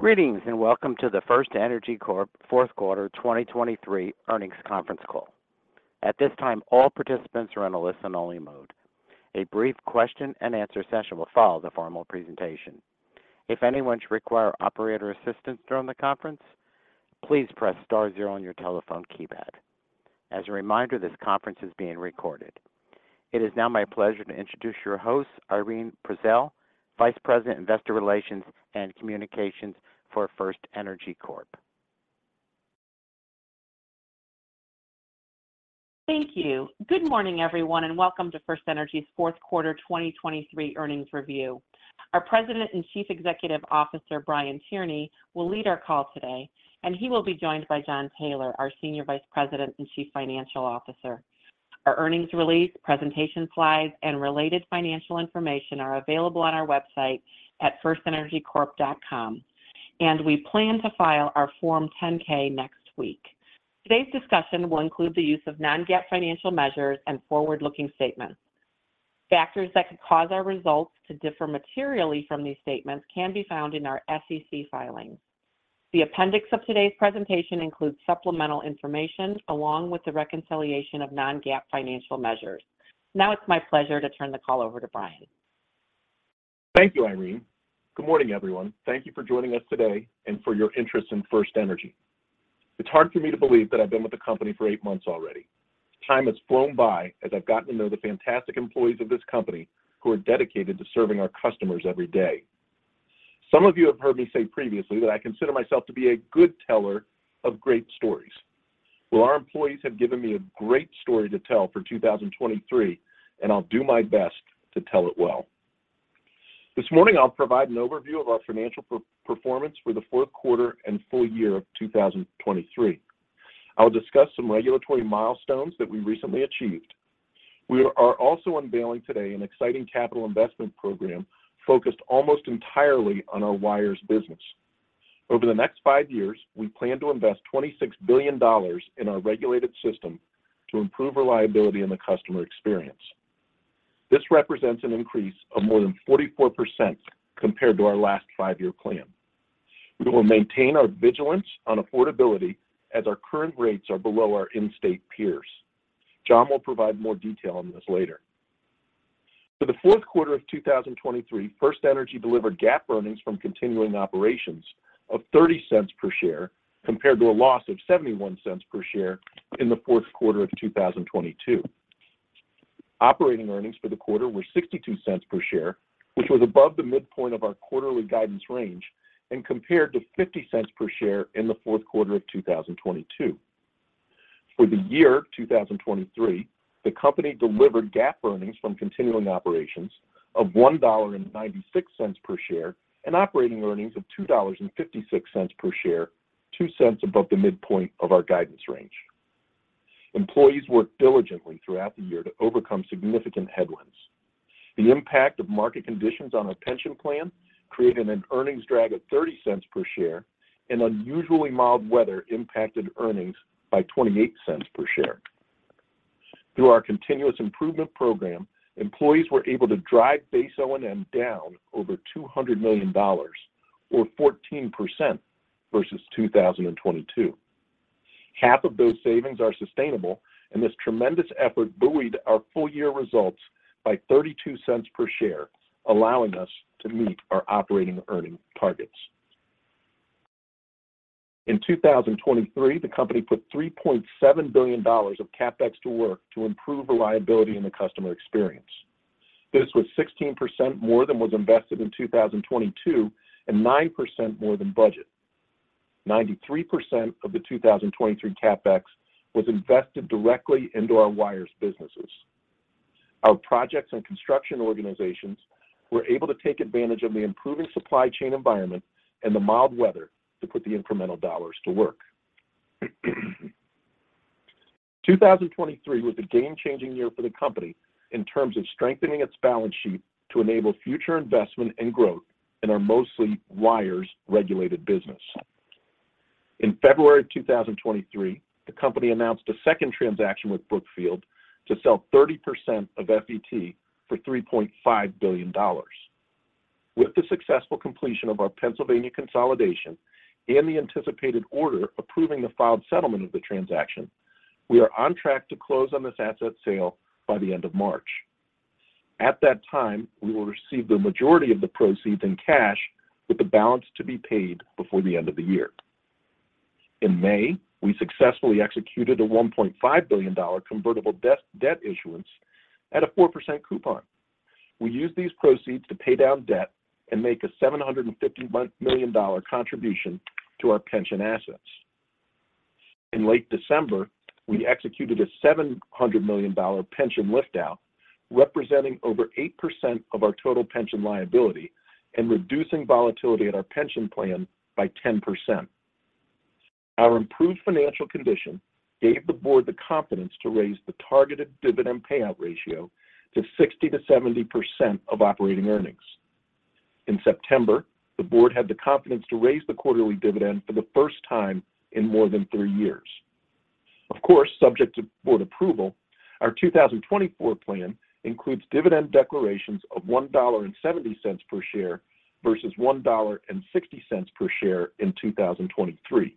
Greetings and welcome to the FirstEnergy Corp. Q4 2023 earnings conference call. At this time, all participants are in a listen-only mode. A brief question-and-answer session will follow the formal presentation. If anyone should require operator assistance during the conference, please press star zero on your telephone keypad. As a reminder, this conference is being recorded. It is now my pleasure to introduce your host, Irene Prezelj, Vice President, Investor Relations and Communications for FirstEnergy Corp. Thank you. Good morning, everyone, and welcome to FirstEnergy's Q4 2023 earnings review. Our President and Chief Executive Officer, Brian Tierney, will lead our call today, and he will be joined by Jon Taylor, our Senior Vice President and Chief Financial Officer. Our earnings release, presentation slides, and related financial information are available on our website at firstenergycorp.com, and we plan to file our Form 10-K next week. Today's discussion will include the use of non-GAAP financial measures and forward-looking statements. Factors that could cause our results to differ materially from these statements can be found in our SEC filings. The appendix of today's presentation includes supplemental information along with the reconciliation of non-GAAP financial measures. Now it's my pleasure to turn the call over to Brian. Thank you, Irene. Good morning, everyone. Thank you for joining us today and for your interest in FirstEnergy. It's hard for me to believe that I've been with the company for eight months already. Time has flown by as I've gotten to know the fantastic employees of this company who are dedicated to serving our customers every day. Some of you have heard me say previously that I consider myself to be a good teller of great stories. Well, our employees have given me a great story to tell for 2023, and I'll do my best to tell it well. This morning, I'll provide an overview of our financial performance for the Q4 and full year of 2023. I will discuss some regulatory milestones that we recently achieved. We are also unveiling today an exciting capital investment program focused almost entirely on our wires business. Over the next five years, we plan to invest $26 billion in our regulated system to improve reliability in the customer experience. This represents an increase of more than 44% compared to our last five-year plan. We will maintain our vigilance on affordability as our current rates are below our in-state peers. Jon will provide more detail on this later. For the Q4 of 2023, FirstEnergy delivered GAAP earnings from continuing operations of $0.30 per share compared to a loss of $0.71 per share in the Q4 of 2022. Operating earnings for the quarter were $0.62 per share, which was above the midpoint of our quarterly guidance range and compared to $0.50 per share in the Q4 of 2022. For the year 2023, the company delivered GAAP earnings from continuing operations of $1.96 per share and operating earnings of $2.56 per share, 2 cents above the midpoint of our guidance range. Employees worked diligently throughout the year to overcome significant headwinds. The impact of market conditions on our pension plan created an earnings drag of $0.30 per share, and unusually mild weather impacted earnings by $0.28 per share. Through our continuous improvement program, employees were able to drive base O&M down over $200 million, or 14% versus 2022. Half of those savings are sustainable, and this tremendous effort buoyed our full-year results by $0.32 per share, allowing us to meet our operating earnings targets. In 2023, the company put $3.7 billion of CapEx to work to improve reliability in the customer experience. This was 16% more than was invested in 2022 and 9% more than budget. 93% of the 2023 CapEx was invested directly into our wires businesses. Our projects and construction organizations were able to take advantage of the improving supply chain environment and the mild weather to put the incremental dollars to work. 2023 was a game-changing year for the company in terms of strengthening its balance sheet to enable future investment and growth in our mostly wires-regulated business. In February of 2023, the company announced a second transaction with Brookfield to sell 30% of FET for $3.5 billion. With the successful completion of our Pennsylvania consolidation and the anticipated order approving the filed settlement of the transaction, we are on track to close on this asset sale by the end of March. At that time, we will receive the majority of the proceeds in cash with the balance to be paid before the end of the year. In May, we successfully executed a $1.5 billion convertible debt issuance at a 4% coupon. We used these proceeds to pay down debt and make a $750 million contribution to our pension assets. In late December, we executed a $700 million pension liftout, representing over 8% of our total pension liability and reducing volatility at our pension plan by 10%. Our improved financial condition gave the board the confidence to raise the targeted dividend payout ratio to 60%-70% of operating earnings. In September, the board had the confidence to raise the quarterly dividend for the first time in more than three years. Of course, subject to board approval, our 2024 plan includes dividend declarations of $1.70 per share versus $1.60 per share in 2023.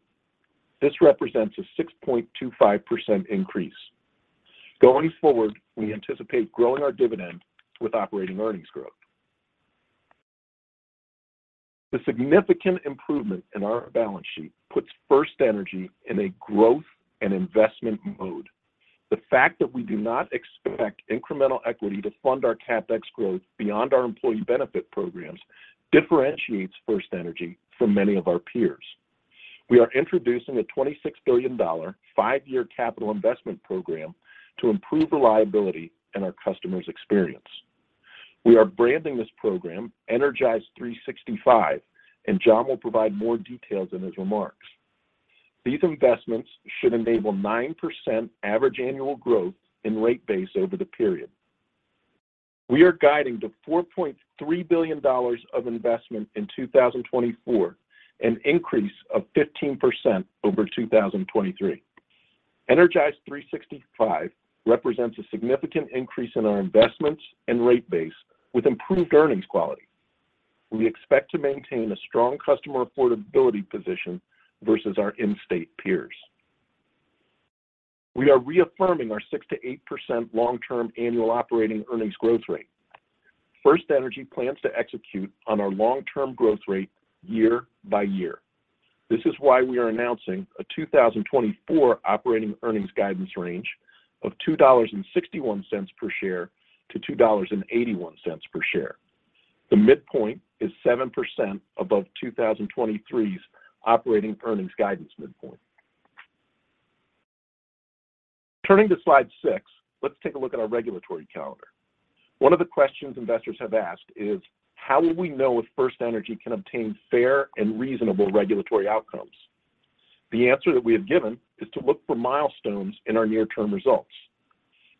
This represents a 6.25% increase. Going forward, we anticipate growing our dividend with operating earnings growth. The significant improvement in our balance sheet puts FirstEnergy in a growth and investment mode. The fact that we do not expect incremental equity to fund our CapEx growth beyond our employee benefit programs differentiates FirstEnergy from many of our peers. We are introducing a $26 billion five-year capital investment program to improve reliability in our customers' experience. We are branding this program Energize365, and Jon will provide more details in his remarks. These investments should enable 9% average annual growth in rate base over the period. We are guiding to $4.3 billion of investment in 2024, an increase of 15% over 2023. Energize365 represents a significant increase in our investments and rate base with improved earnings quality. We expect to maintain a strong customer affordability position versus our in-state peers. We are reaffirming our 6%-8% long-term annual operating earnings growth rate. FirstEnergy plans to execute on our long-term growth rate year by year. This is why we are announcing a 2024 operating earnings guidance range of $2.61-$2.81 per share. The midpoint is 7% above 2023's operating earnings guidance midpoint. Turning to slide 6, let's take a look at our regulatory calendar. One of the questions investors have asked is, "How will we know if FirstEnergy can obtain fair and reasonable regulatory outcomes?" The answer that we have given is to look for milestones in our near-term results.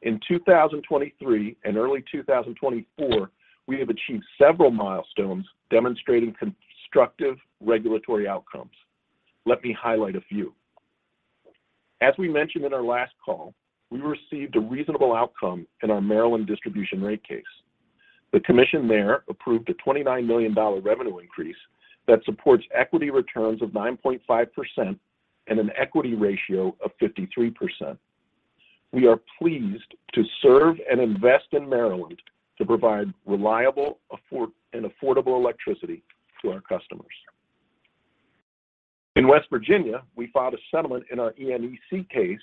In 2023 and early 2024, we have achieved several milestones demonstrating constructive regulatory outcomes. Let me highlight a few. As we mentioned in our last call, we received a reasonable outcome in our Maryland distribution rate case. The commission there approved a $29 million revenue increase that supports equity returns of 9.5% and an equity ratio of 53%. We are pleased to serve and invest in Maryland to provide reliable and affordable electricity to our customers. In West Virginia, we filed a settlement in our ENEC case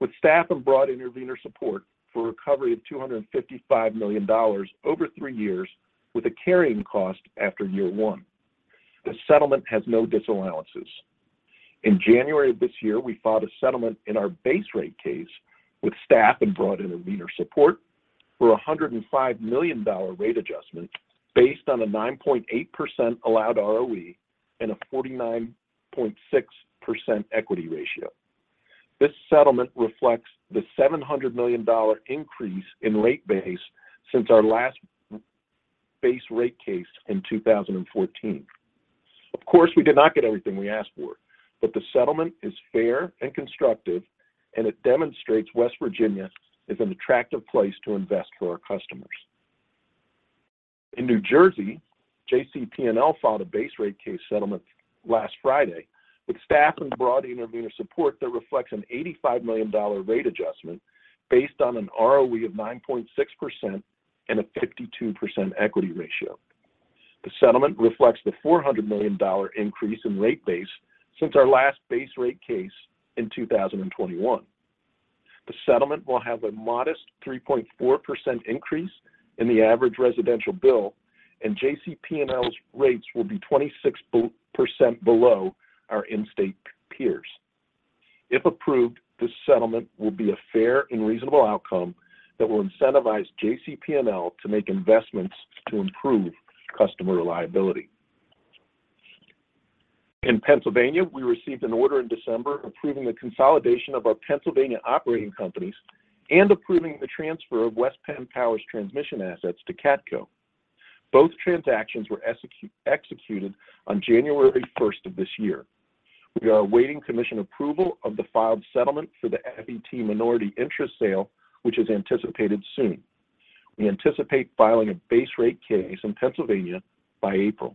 with staff and broad intervenor support for recovery of $255 million over 3 years with a carrying cost after year 1. The settlement has no disallowances. In January of this year, we filed a settlement in our base rate case with staff and broad intervenor support for a $105 million rate adjustment based on a 9.8% allowed ROE and a 49.6% equity ratio. This settlement reflects the $700 million increase in rate base since our last base rate case in 2014. Of course, we did not get everything we asked for, but the settlement is fair and constructive, and it demonstrates West Virginia is an attractive place to invest for our customers. In New Jersey, JCP&L filed a base rate case settlement last Friday with staff and broad intervenor support that reflects an $85 million rate adjustment based on an ROE of 9.6% and a 52% equity ratio. The settlement reflects the $400 million increase in rate base since our last base rate case in 2021. The settlement will have a modest 3.4% increase in the average residential bill, and JCP&L's rates will be 26% below our in-state peers. If approved, this settlement will be a fair and reasonable outcome that will incentivize JCP&L to make investments to improve customer reliability. In Pennsylvania, we received an order in December approving the consolidation of our Pennsylvania operating companies and approving the transfer of West Penn Power's transmission assets to Catco. Both transactions were executed on January 1st of this year. We are awaiting commission approval of the filed settlement for the FET minority interest sale, which is anticipated soon. We anticipate filing a base rate case in Pennsylvania by April.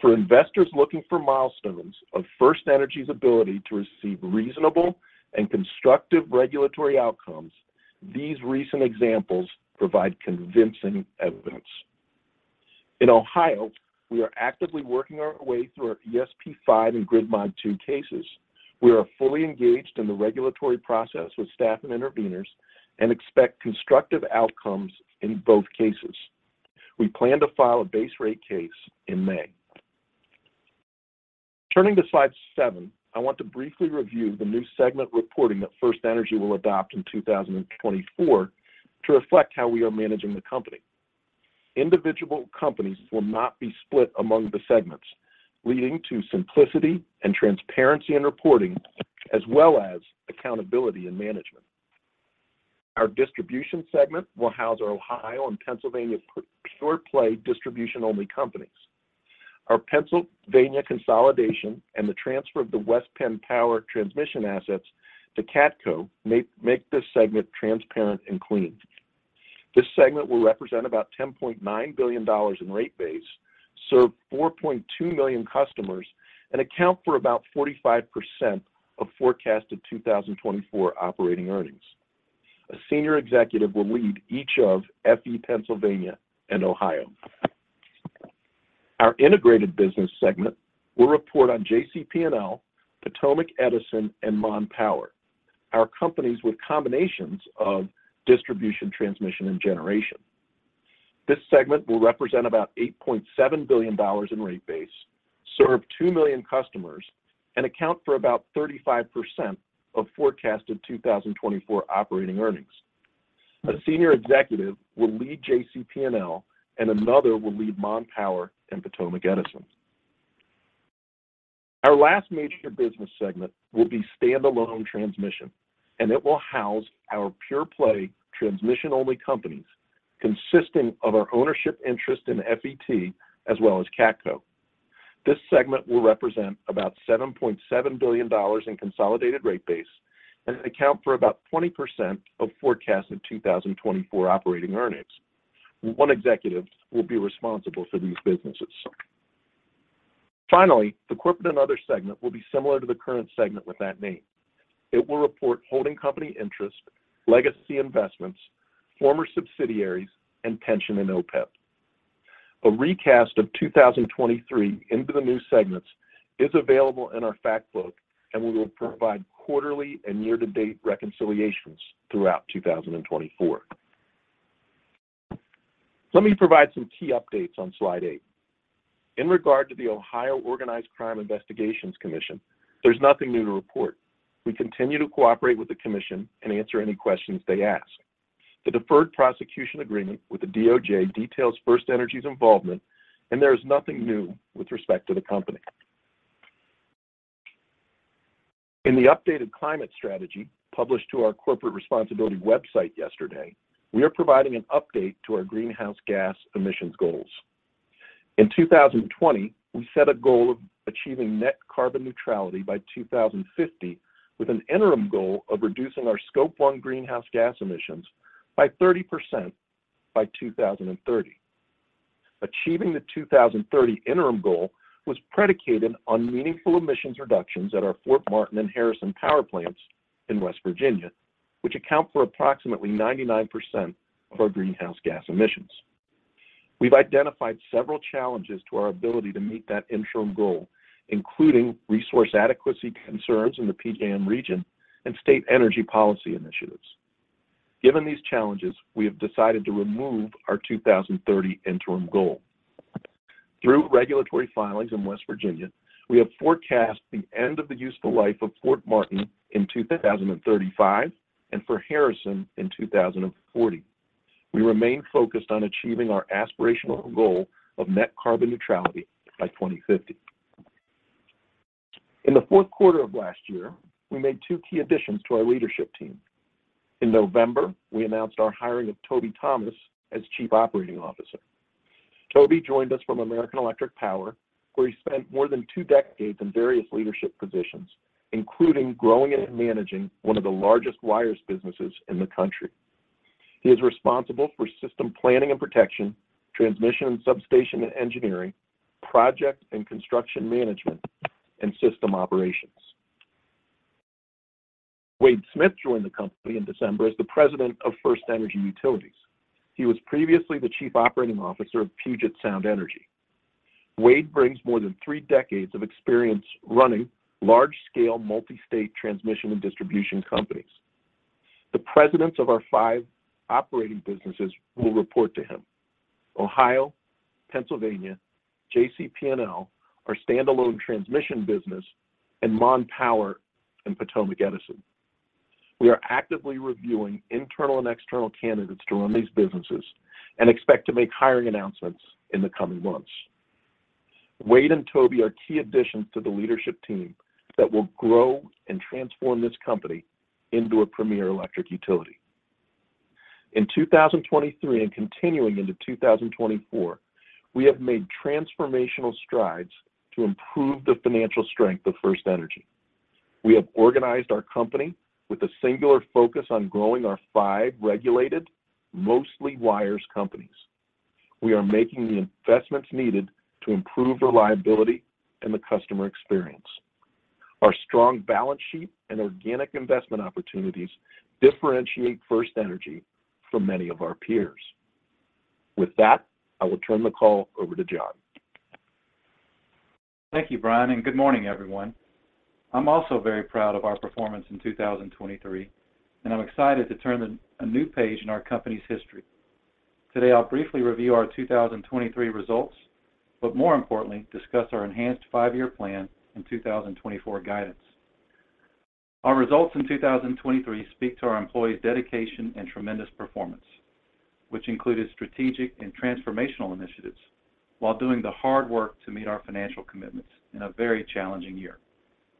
For investors looking for milestones of FirstEnergy's ability to receive reasonable and constructive regulatory outcomes, these recent examples provide convincing evidence. In Ohio, we are actively working our way through our ESP V and Grid Mod II cases. We are fully engaged in the regulatory process with staff and intervenors and expect constructive outcomes in both cases. We plan to file a base rate case in May. Turning to slide 7, I want to briefly review the new segment reporting that FirstEnergy will adopt in 2024 to reflect how we are managing the company. Individual companies will not be split among the segments, leading to simplicity and transparency in reporting as well as accountability in management. Our distribution segment will house our Ohio and Pennsylvania pure-play distribution-only companies. Our Pennsylvania consolidation and the transfer of the West Penn Power transmission assets to Catco make this segment transparent and clean. This segment will represent about $10.9 billion in rate base, serve 4.2 million customers, and account for about 45% of forecasted 2024 operating earnings. A senior executive will lead each of FE Pennsylvania and Ohio. Our integrated business segment will report on JCP&L, Potomac Edison, and Mon Power, our companies with combinations of distribution, transmission, and generation. This segment will represent about $8.7 billion in rate base, serve 2 million customers, and account for about 35% of forecasted 2024 operating earnings. A senior executive will lead JCP&L, and another will lead Mon Power and Potomac Edison. Our last major business segment will be standalone transmission, and it will house our pure-play transmission-only companies consisting of our ownership interest in FET as well as Catco. This segment will represent about $7.7 billion in consolidated rate base and account for about 20% of forecasted 2024 operating earnings. One executive will be responsible for these businesses. Finally, the corporate and other segment will be similar to the current segment with that name. It will report holding company interest, legacy investments, former subsidiaries, and pension and OPEB. A recast of 2023 into the new segments is available in our fact book, and we will provide quarterly and year-to-date reconciliations throughout 2024. Let me provide some key updates on slide 8. In regard to the Ohio Organized Crime Investigations Commission, there's nothing new to report. We continue to cooperate with the commission and answer any questions they ask. The deferred prosecution agreement with the DOJ details FirstEnergy's involvement, and there is nothing new with respect to the company. In the updated climate strategy published to our corporate responsibility website yesterday, we are providing an update to our greenhouse gas emissions goals. In 2020, we set a goal of achieving net carbon neutrality by 2050 with an interim goal of reducing our Scope 1 greenhouse gas emissions by 30% by 2030. Achieving the 2030 interim goal was predicated on meaningful emissions reductions at our Fort Martin and Harrison Power plants in West Virginia, which account for approximately 99% of our greenhouse gas emissions. We've identified several challenges to our ability to meet that interim goal, including resource adequacy concerns in the PJM region and state energy policy initiatives. Given these challenges, we have decided to remove our 2030 interim goal. Through regulatory filings in West Virginia, we have forecast the end of the useful life of Fort Martin in 2035 and for Harrison in 2040. We remain focused on achieving our aspirational goal of net carbon neutrality by 2050. In the Q4 of last year, we made two key additions to our leadership team. In November, we announced our hiring of Toby Thomas as Chief Operating Officer. Toby joined us from American Electric Power, where he spent more than two decades in various leadership positions, including growing and managing one of the largest wires businesses in the country. He is responsible for system planning and protection, transmission and substation and engineering, project and construction management, and system operations. Wade Smith joined the company in December as the President of FirstEnergy Utilities. He was previously the Chief Operating Officer of Puget Sound Energy. Wade brings more than three decades of experience running large-scale multi-state transmission and distribution companies. The presidents of our five operating businesses will report to him. Ohio, Pennsylvania, JCP&L, our standalone transmission business, and Mon Power and Potomac Edison. We are actively reviewing internal and external candidates to run these businesses and expect to make hiring announcements in the coming months. Wade and Toby are key additions to the leadership team that will grow and transform this company into a premier electric utility. In 2023 and continuing into 2024, we have made transformational strides to improve the financial strength of FirstEnergy. We have organized our company with a singular focus on growing our five regulated, mostly wires companies. We are making the investments needed to improve reliability and the customer experience. Our strong balance sheet and organic investment opportunities differentiate FirstEnergy from many of our peers. With that, I will turn the call over to Jon. Thank you, Brian, and good morning, everyone. I'm also very proud of our performance in 2023, and I'm excited to turn a new page in our company's history. Today, I'll briefly review our 2023 results, but more importantly, discuss our enhanced five-year plan and 2024 guidance. Our results in 2023 speak to our employees' dedication and tremendous performance, which included strategic and transformational initiatives while doing the hard work to meet our financial commitments in a very challenging year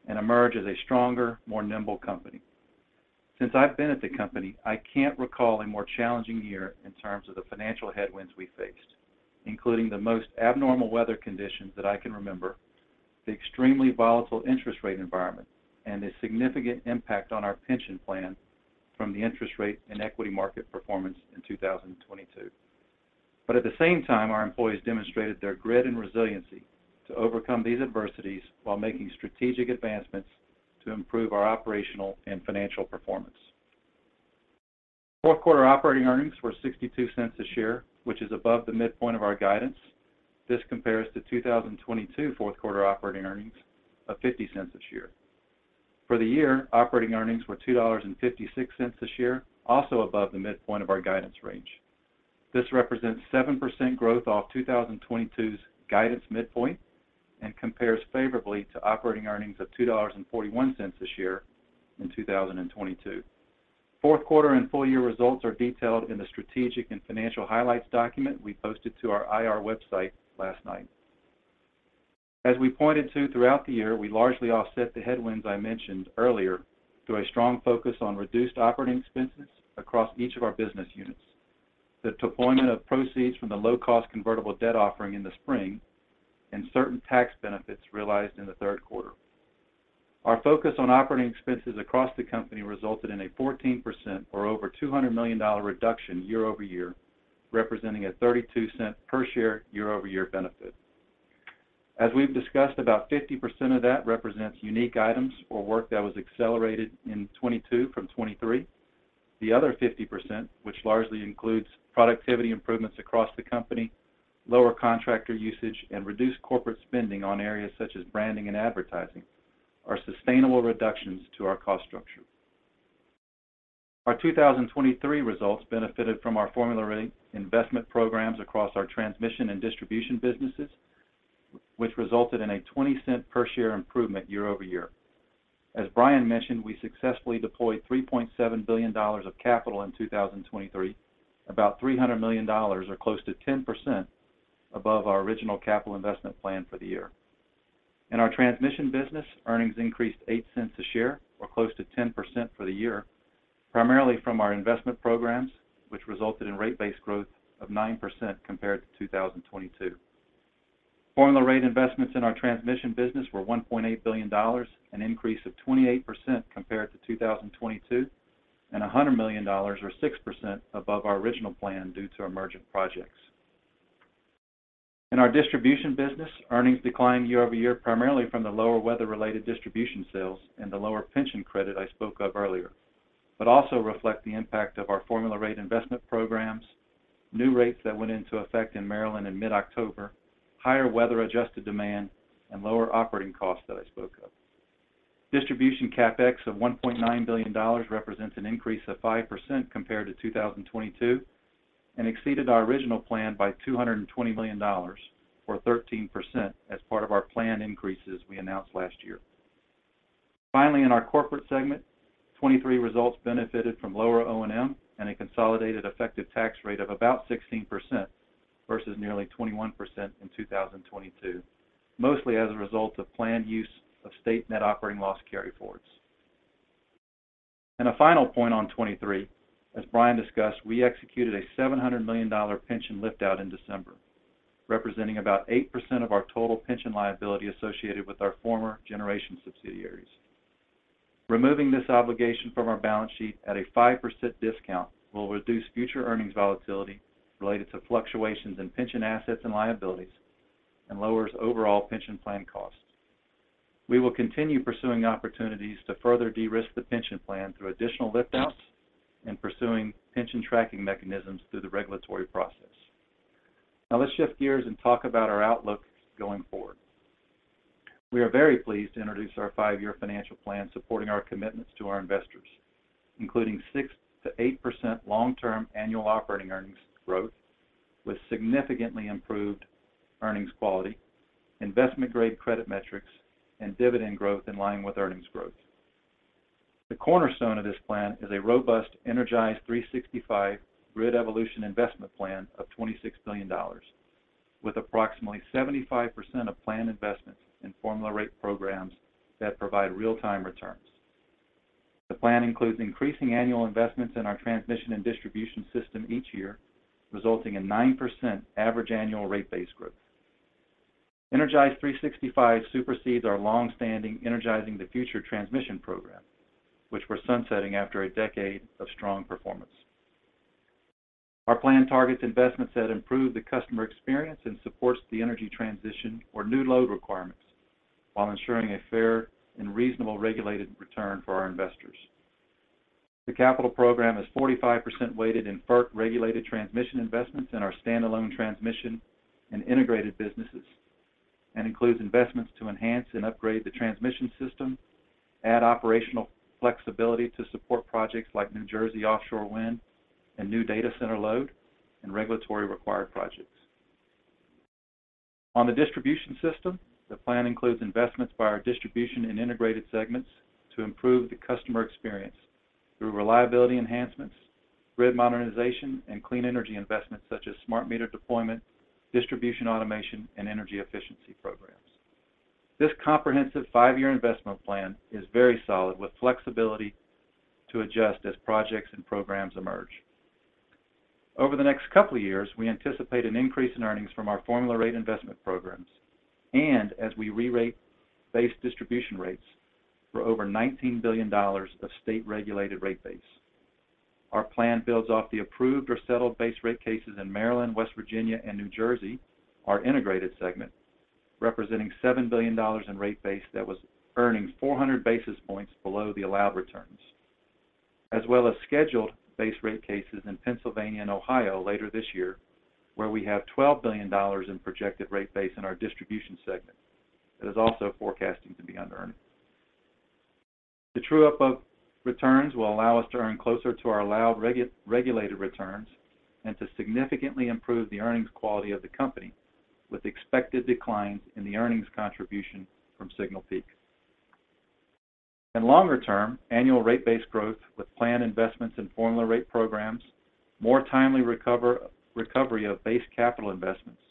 and emerge as a stronger, more nimble company. Since I've been at the company, I can't recall a more challenging year in terms of the financial headwinds we faced, including the most abnormal weather conditions that I can remember, the extremely volatile interest rate environment, and the significant impact on our pension plan from the interest rate and equity market performance in 2022. But at the same time, our employees demonstrated their grit and resiliency to overcome these adversities while making strategic advancements to improve our operational and financial performance. Q4 operating earnings were $0.62 a share, which is above the midpoint of our guidance. This compares to 2022 Q4 operating earnings of $0.50 a share. For the year, operating earnings were $2.56 a share, also above the midpoint of our guidance range. This represents 7% growth off 2022's guidance midpoint and compares favorably to operating earnings of $2.41 a share in 2022. Q4 and full-year results are detailed in the strategic and financial highlights document we posted to our IR website last night. As we pointed to throughout the year, we largely offset the headwinds I mentioned earlier through a strong focus on reduced operating expenses across each of our business units, the deployment of proceeds from the low-cost convertible debt offering in the spring, and certain tax benefits realized in the Q3. Our focus on operating expenses across the company resulted in a 14% or over $200 million reduction year-over-year, representing a $0.32 per-share year-over-year benefit. As we've discussed, about 50% of that represents unique items or work that was accelerated in 2022 from 2023. The other 50%, which largely includes productivity improvements across the company, lower contractor usage, and reduced corporate spending on areas such as branding and advertising, are sustainable reductions to our cost structure. Our 2023 results benefited from our formula investment programs across our transmission and distribution businesses, which resulted in a $0.20 per-share improvement year-over-year. As Brian mentioned, we successfully deployed $3.7 billion of capital in 2023, about $300 million or close to 10% above our original capital investment plan for the year. In our transmission business, earnings increased $0.08 a share or close to 10% for the year, primarily from our investment programs, which resulted in rate base growth of 9% compared to 2022. Formula rate investments in our transmission business were $1.8 billion, an increase of 28% compared to 2022, and $100 million or 6% above our original plan due to emergent projects. In our distribution business, earnings declined year-over-year primarily from the lower weather-related distribution sales and the lower pension credit I spoke of earlier, but also reflect the impact of our formula rate investment programs, new rates that went into effect in Maryland in mid-October, higher weather-adjusted demand, and lower operating costs that I spoke of. Distribution CapEx of $1.9 billion represents an increase of 5% compared to 2022 and exceeded our original plan by $220 million or 13% as part of our planned increases we announced last year. Finally, in our corporate segment, 2023 results benefited from lower O&M and a consolidated effective tax rate of about 16% versus nearly 21% in 2022, mostly as a result of planned use of state net operating loss carryforwards. A final point on 2023, as Brian discussed, we executed a $700 million pension liftout in December, representing about 8% of our total pension liability associated with our former generation subsidiaries. Removing this obligation from our balance sheet at a 5% discount will reduce future earnings volatility related to fluctuations in pension assets and liabilities and lowers overall pension plan costs. We will continue pursuing opportunities to further de-risk the pension plan through additional liftouts and pursuing pension tracking mechanisms through the regulatory process. Now, let's shift gears and talk about our outlook going forward. We are very pleased to introduce our five-year financial plan supporting our commitments to our investors, including 6%-8% long-term annual operating earnings growth with significantly improved earnings quality, investment-grade credit metrics, and dividend growth in line with earnings growth. The cornerstone of this plan is a robust Energize365 Grid Evolution investment plan of $26 billion, with approximately 75% of planned investments in formula rate programs that provide real-time returns. The plan includes increasing annual investments in our transmission and distribution system each year, resulting in 9% average annual rate-based growth. Energize365 supersedes our longstanding Energizing the Future transmission program, which we're sunsetting after a decade of strong performance. Our plan targets investments that improve the customer experience and support the energy transition or new load requirements while ensuring a fair and reasonable regulated return for our investors. The capital program is 45% weighted in FERC-regulated transmission investments in our standalone transmission and integrated businesses and includes investments to enhance and upgrade the transmission system, add operational flexibility to support projects like New Jersey Offshore Wind and new data center load, and regulatory required projects. On the distribution system, the plan includes investments by our distribution and integrated segments to improve the customer experience through reliability enhancements, grid modernization, and clean energy investments such as smart meter deployment, distribution automation, and energy efficiency programs. This comprehensive five-year investment plan is very solid with flexibility to adjust as projects and programs emerge. Over the next couple of years, we anticipate an increase in earnings from our formula rate investment programs and as we rerate base distribution rates for over $19 billion of state-regulated rate base. Our plan builds off the approved or settled base rate cases in Maryland, West Virginia, and New Jersey, our integrated segment, representing $7 billion in rate base that was earning 400 basis points below the allowed returns, as well as scheduled base rate cases in Pennsylvania and Ohio later this year where we have $12 billion in projected rate base in our distribution segment that is also forecasting to be under earning. The true-up of returns will allow us to earn closer to our allowed regulated returns and to significantly improve the earnings quality of the company with expected declines in the earnings contribution from Signal Peak. In longer term, annual rate-based growth with planned investments in formula rate programs, more timely recovery of base capital investments,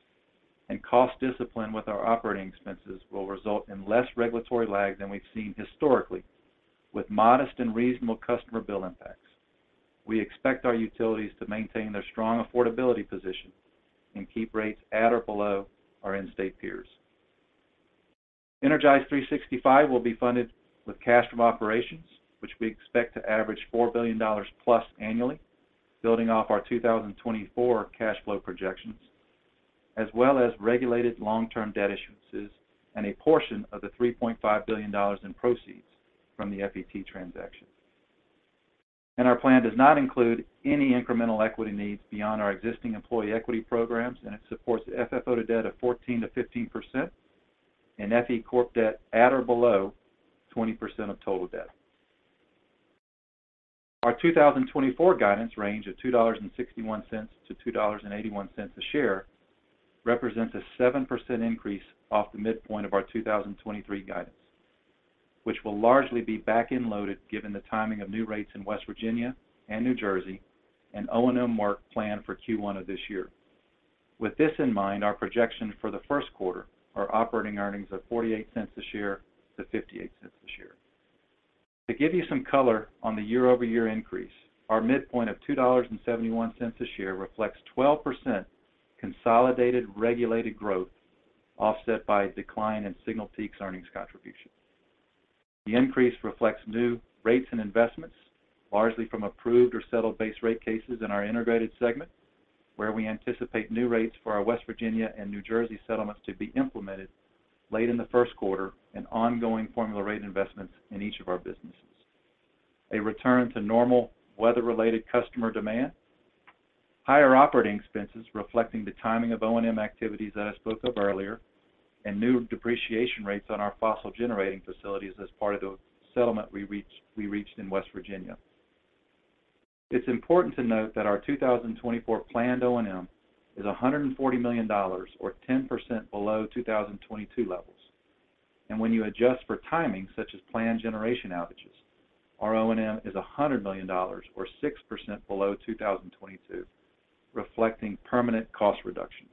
and cost discipline with our operating expenses will result in less regulatory lag than we've seen historically with modest and reasonable customer bill impacts. We expect our utilities to maintain their strong affordability position and keep rates at or below our end-state peers. Energize365 will be funded with cash from operations, which we expect to average $4 billion+ annually, building off our 2024 cash flow projections, as well as regulated long-term debt issuances and a portion of the $3.5 billion in proceeds from the FET transaction. Our plan does not include any incremental equity needs beyond our existing employee equity programs, and it supports FFO to debt of 14%-15% and FE Corp debt at or below 20% of total debt. Our 2024 guidance range of $2.61-$2.81 a share represents a 7% increase off the midpoint of our 2023 guidance, which will largely be back-loaded given the timing of new rates in West Virginia and New Jersey and O&M markdown plan for Q1 of this year. With this in mind, our projections for the Q1 are operating earnings of $0.48-$0.58 a share. To give you some color on the year-over-year increase, our midpoint of $2.71 a share reflects 12% consolidated regulated growth offset by decline in Signal Peak's earnings contribution. The increase reflects new rates and investments, largely from approved or settled base rate cases in our integrated segment, where we anticipate new rates for our West Virginia and New Jersey settlements to be implemented late in the Q1 and ongoing formula rate investments in each of our businesses. A return to normal weather-related customer demand, higher operating expenses reflecting the timing of O&M activities that I spoke of earlier, and new depreciation rates on our fossil generating facilities as part of the settlement we reached in West Virginia. It's important to note that our 2024 planned O&M is $140 million or 10% below 2022 levels. When you adjust for timing such as planned generation outages, our O&M is $100 million or 6% below 2022, reflecting permanent cost reductions.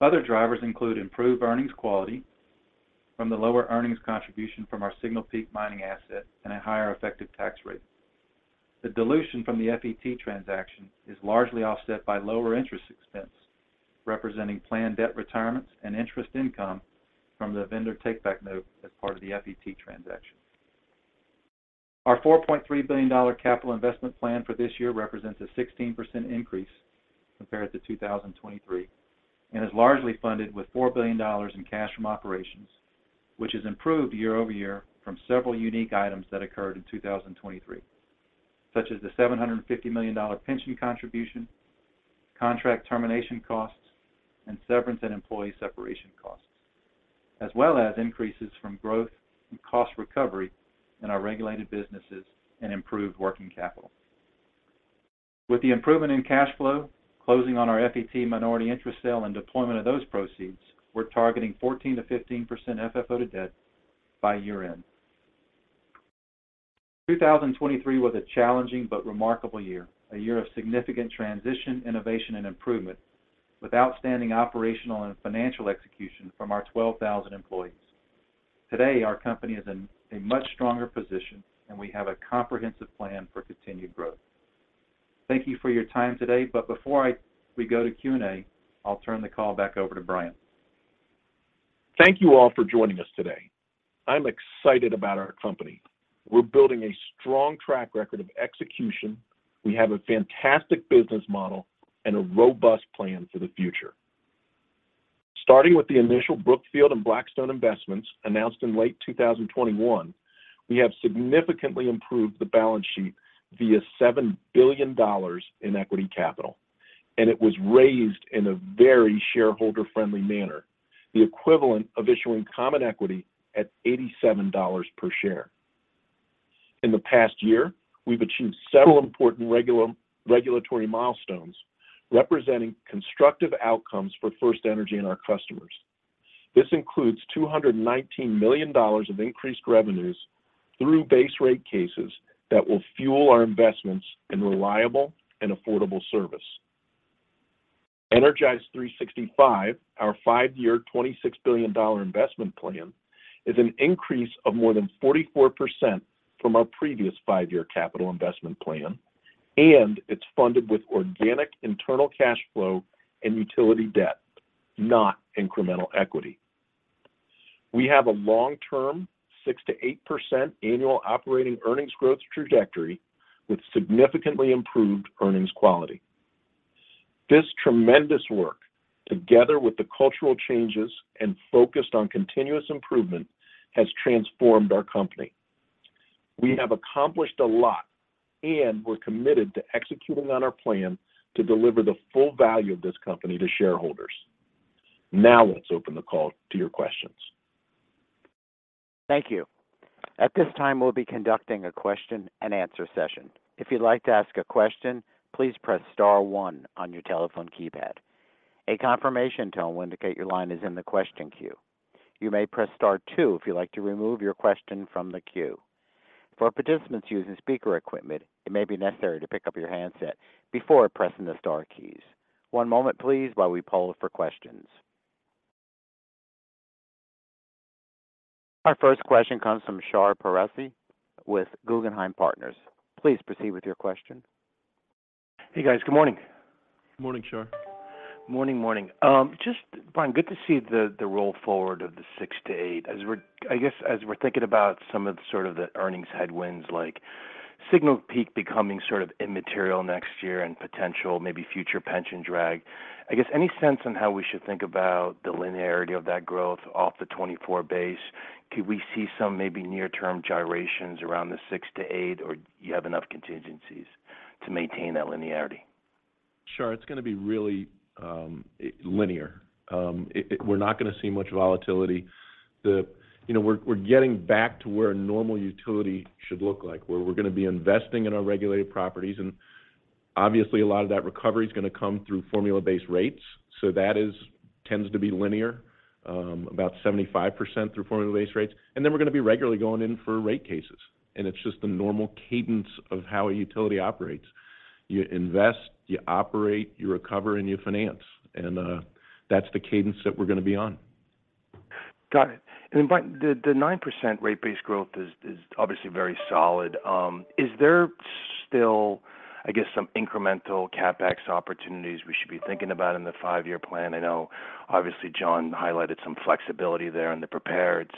Other drivers include improved earnings quality from the lower earnings contribution from our Signal Peak mining asset and a higher effective tax rate. The dilution from the FET transaction is largely offset by lower interest expense representing planned debt retirements and interest income from the vendor takeback note as part of the FET transaction. Our $4.3 billion capital investment plan for this year represents a 16% increase compared to 2023 and is largely funded with $4 billion in cash from operations, which is improved year-over-year from several unique items that occurred in 2023, such as the $750 million pension contribution, contract termination costs, and severance and employee separation costs, as well as increases from growth and cost recovery in our regulated businesses and improved working capital. With the improvement in cash flow, closing on our FET minority interest sale, and deployment of those proceeds, we're targeting 14%-15% FFO to Debt by year-end. 2023 was a challenging but remarkable year, a year of significant transition, innovation, and improvement with outstanding operational and financial execution from our 12,000 employees. Today, our company is in a much stronger position, and we have a comprehensive plan for continued growth. Thank you for your time today. But before we go to Q&A, I'll turn the call back over to Brian. Thank you all for joining us today. I'm excited about our company. We're building a strong track record of execution. We have a fantastic business model and a robust plan for the future. Starting with the initial Brookfield and Blackstone investments announced in late 2021, we have significantly improved the balance sheet via $7 billion in equity capital, and it was raised in a very shareholder-friendly manner, the equivalent of issuing common equity at $87 per share. In the past year, we've achieved several important regulatory milestones representing constructive outcomes for FirstEnergy and our customers. This includes $219 million of increased revenues through base rate cases that will fuel our investments in reliable and affordable service. Energize365, our five-year $26 billion investment plan, is an increase of more than 44% from our previous five-year capital investment plan, and it's funded with organic internal cash flow and utility debt, not incremental equity. We have a long-term 6%-8% annual operating earnings growth trajectory with significantly improved earnings quality. This tremendous work, together with the cultural changes and focused on continuous improvement, has transformed our company. We have accomplished a lot, and we're committed to executing on our plan to deliver the full value of this company to shareholders. Now, let's open the call to your questions. Thank you. At this time, we'll be conducting a question and answer session. If you'd like to ask a question, please press star 1 on your telephone keypad. A confirmation tone will indicate your line is in the question queue. You may press star 2 if you'd like to remove your question from the queue. For participants using speaker equipment, it may be necessary to pick up your handset before pressing the star keys. One moment, please, while we pull for questions. Our first question comes from Shar Pourreza with Guggenheim Partners. Please proceed with your question. Hey, guys. Good morning. Good morning, Shar. Morning, morning. Brian, good to see the roll forward of the 6-8. I guess as we're thinking about some of the sort of the earnings headwinds, like Signal Peak becoming sort of immaterial next year and potential maybe future pension drag, I guess any sense on how we should think about the linearity of that growth off the 2024 base? Could we see some maybe near-term gyrations around the 6-8, or do you have enough contingencies to maintain that linearity? Sure. It's going to be really linear. We're not going to see much volatility. We're getting back to where a normal utility should look like, where we're going to be investing in our regulated properties. And obviously, a lot of that recovery is going to come through formula-based rates. So that tends to be linear, about 75% through formula-based rates. And then we're going to be regularly going in for rate cases. And it's just the normal cadence of how a utility operates. You invest, you operate, you recover, and you finance. And that's the cadence that we're going to be on. Got it. And Brian, the 9% rate-based growth is obviously very solid. Is there still, I guess, some incremental CapEx opportunities we should be thinking about in the five-year plan? I know obviously, Jon highlighted some flexibility there in the prepareds.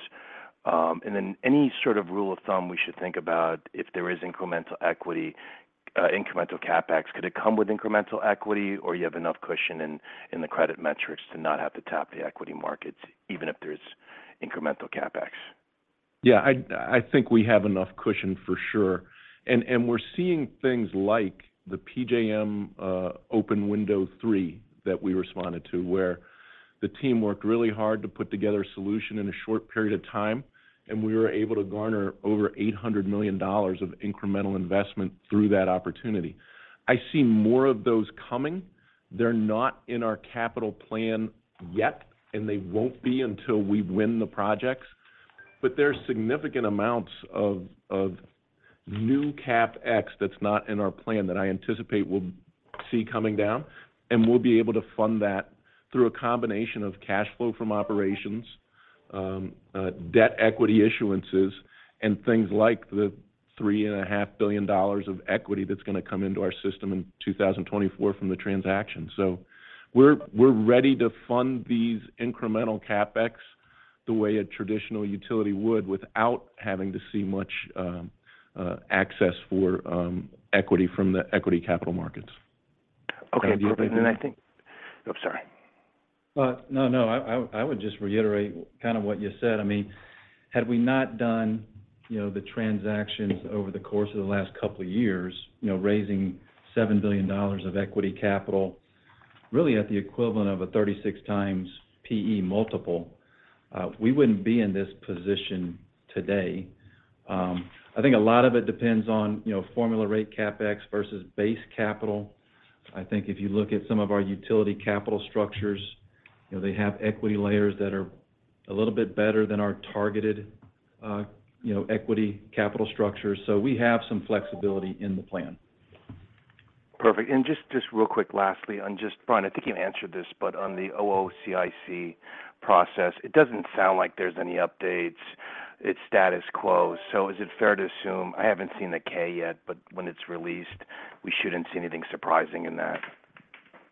And then any sort of rule of thumb we should think about if there is incremental equity, incremental CapEx, could it come with incremental equity, or do you have enough cushion in the credit metrics to not have to tap the equity markets even if there's incremental CapEx? Yeah. I think we have enough cushion for sure. And we're seeing things like the PJM Open Window 3 that we responded to, where the team worked really hard to put together a solution in a short period of time, and we were able to garner over $800 million of incremental investment through that opportunity. I see more of those coming. They're not in our capital plan yet, and they won't be until we win the projects. But there are significant amounts of new CapEx that's not in our plan that I anticipate we'll see coming down. And we'll be able to fund that through a combination of cash flow from operations, debt equity issuances, and things like the $3.5 billion of equity that's going to come into our system in 2024 from the transaction. So we're ready to fund these incremental Capex the way a traditional utility would without having to see much access for equity from the equity capital markets. Okay. Perfect. And I think oops, sorry. No, no. I would just reiterate kind of what you said. I mean, had we not done the transactions over the course of the last couple of years, raising $7 billion of equity capital, really at the equivalent of a 36x PE multiple, we wouldn't be in this position today. I think a lot of it depends on formula rate Capex versus base capital. I think if you look at some of our utility capital structures, they have equity layers that are a little bit better than our targeted equity capital structures. So we have some flexibility in the plan. Perfect. And just real quick, lastly, Brian, I think you answered this, but on the OOCIC process, it doesn't sound like there's any updates. It's status quo. So is it fair to assume I haven't seen a K yet, but when it's released, we shouldn't see anything surprising in that?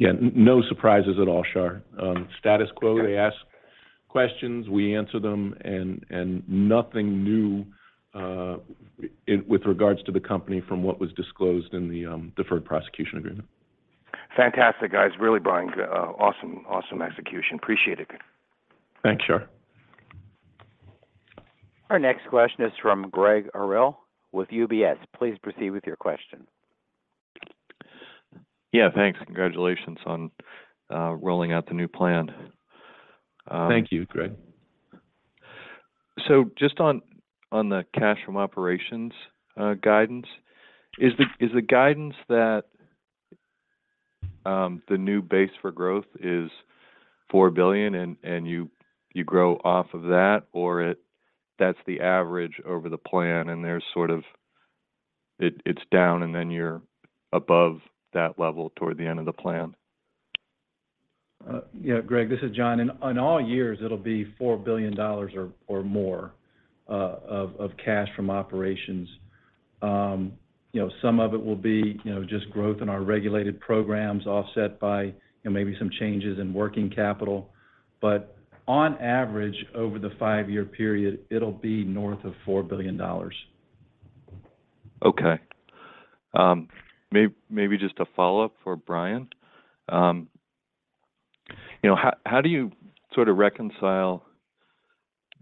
Yeah. No surprises at all, Shar. Status quo. They ask questions. We answer them. And nothing new with regards to the company from what was disclosed in the deferred prosecution agreement. Fantastic, guys. Really, Brian, awesome execution. Appreciate it. Thanks, Shar. Our next question is from Gregg Orrill with UBS. Please proceed with your question. Yeah. Thanks. Congratulations on rolling out the new plan. Thank you, Greg. So just on the cash from operations guidance, is the guidance that the new base for growth is $4 billion, and you grow off of that, or that's the average over the plan, and it's down, and then you're above that level toward the end of the plan? Yeah, Greg. This is Jon. In all years, it'll be $4 billion or more of cash from operations. Some of it will be just growth in our regulated programs offset by maybe some changes in working capital. But on average, over the five-year period, it'll be north of $4 billion. Okay. Maybe just a follow-up for Brian. How do you sort of reconcile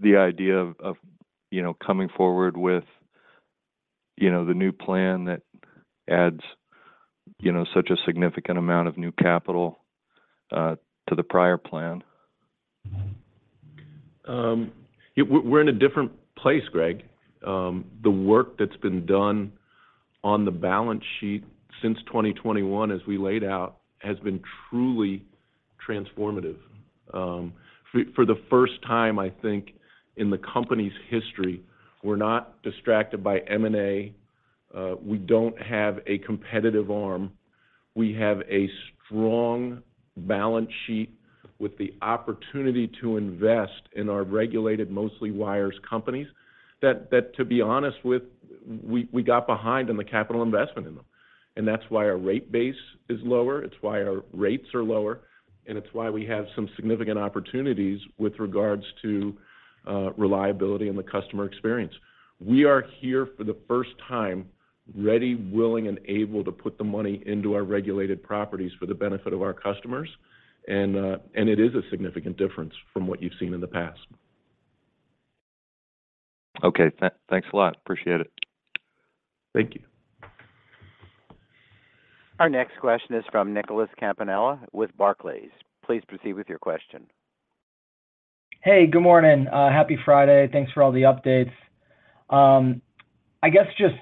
the idea of coming forward with the new plan that adds such a significant amount of new capital to the prior plan? We're in a different place, Greg. The work that's been done on the balance sheet since 2021, as we laid out, has been truly transformative. For the first time, I think, in the company's history, we're not distracted by M&A. We don't have a competitive arm. We have a strong balance sheet with the opportunity to invest in our regulated, mostly wires companies that, to be honest with, we got behind on the capital investment in them. That's why our rate base is lower. It's why our rates are lower. It's why we have some significant opportunities with regards to reliability and the customer experience. We are here for the first time, ready, willing, and able to put the money into our regulated properties for the benefit of our customers. It is a significant difference from what you've seen in the past. Okay. Thanks a lot. Appreciate it. Thank you. Our next question is from Nicholas Campanella with Barclays. Please proceed with your question. Hey. Good morning. Happy Friday. Thanks for all the updates. I guess just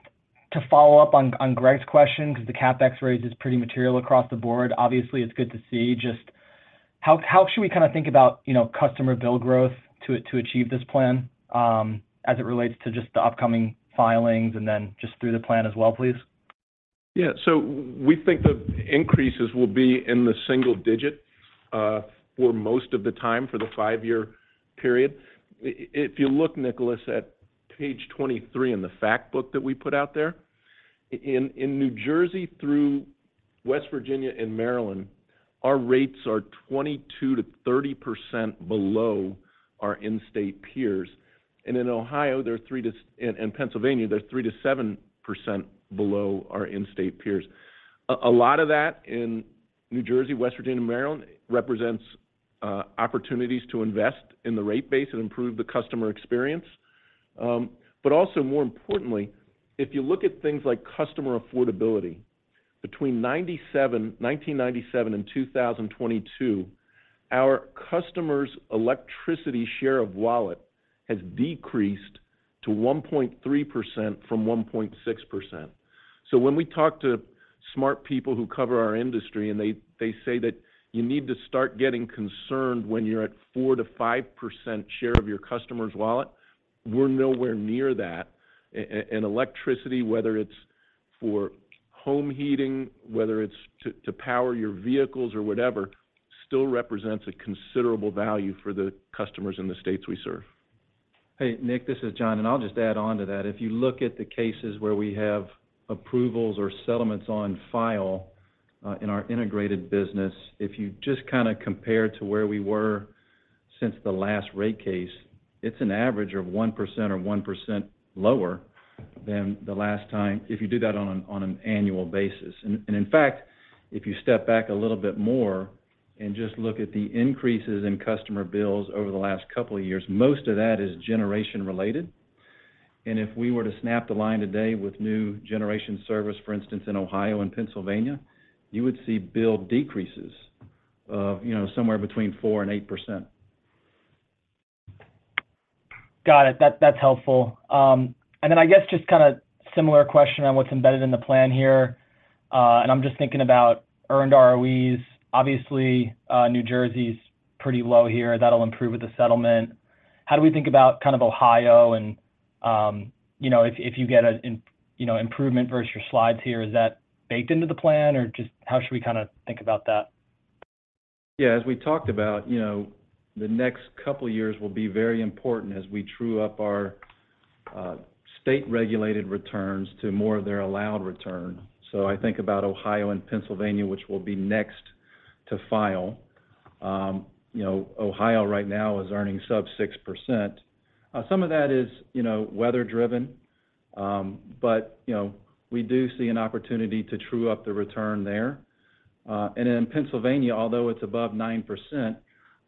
to follow up on Greg's question because the CapEx raise is pretty material across the board, obviously, it's good to see. Just how should we kind of think about customer bill growth to achieve this plan as it relates to just the upcoming filings and then just through the plan as well, please? Yeah. So we think the increases will be in the single digit for most of the time for the five-year period. If you look, Nicholas, at page 23 in the fact book that we put out there, in New Jersey through West Virginia and Maryland, our rates are 22%-30% below our in-state peers. And in Ohio and Pennsylvania, they're 3%-7% below our in-state peers. A lot of that in New Jersey, West Virginia, and Maryland represents opportunities to invest in the rate base and improve the customer experience. But also, more importantly, if you look at things like customer affordability, between 1997 and 2022, our customers' electricity share of wallet has decreased to 1.3% from 1.6%. So when we talk to smart people who cover our industry, and they say that you need to start getting concerned when you're at 4%-5% share of your customer's wallet, we're nowhere near that. And electricity, whether it's for home heating, whether it's to power your vehicles or whatever, still represents a considerable value for the customers in the states we serve. Hey, Nick. This is Jon. And I'll just add on to that. If you look at the cases where we have approvals or settlements on file in our integrated business, if you just kind of compare to where we were since the last rate case, it's an average of 1% or 1% lower than the last time if you do that on an annual basis. And in fact, if you step back a little bit more and just look at the increases in customer bills over the last couple of years, most of that is generation-related. And if we were to snap the line today with new generation service, for instance, in Ohio and Pennsylvania, you would see bill decreases of somewhere between 4 %-8%. Got it. That's helpful. And then I guess just kind of similar question on what's embedded in the plan here. And I'm just thinking about earned ROEs. Obviously, New Jersey's pretty low here. That'll improve with the settlement. How do we think about kind of Ohio? And if you get an improvement versus your slides here, is that baked into the plan, or just how should we kind of think about that? Yeah. As we talked about, the next couple of years will be very important as we true up our state-regulated returns to more of their allowed return. So I think about Ohio and Pennsylvania, which will be next to file. Ohio right now is earning sub-6%. Some of that is weather-driven. But we do see an opportunity to true up the return there. And then Pennsylvania, although it's above 9%,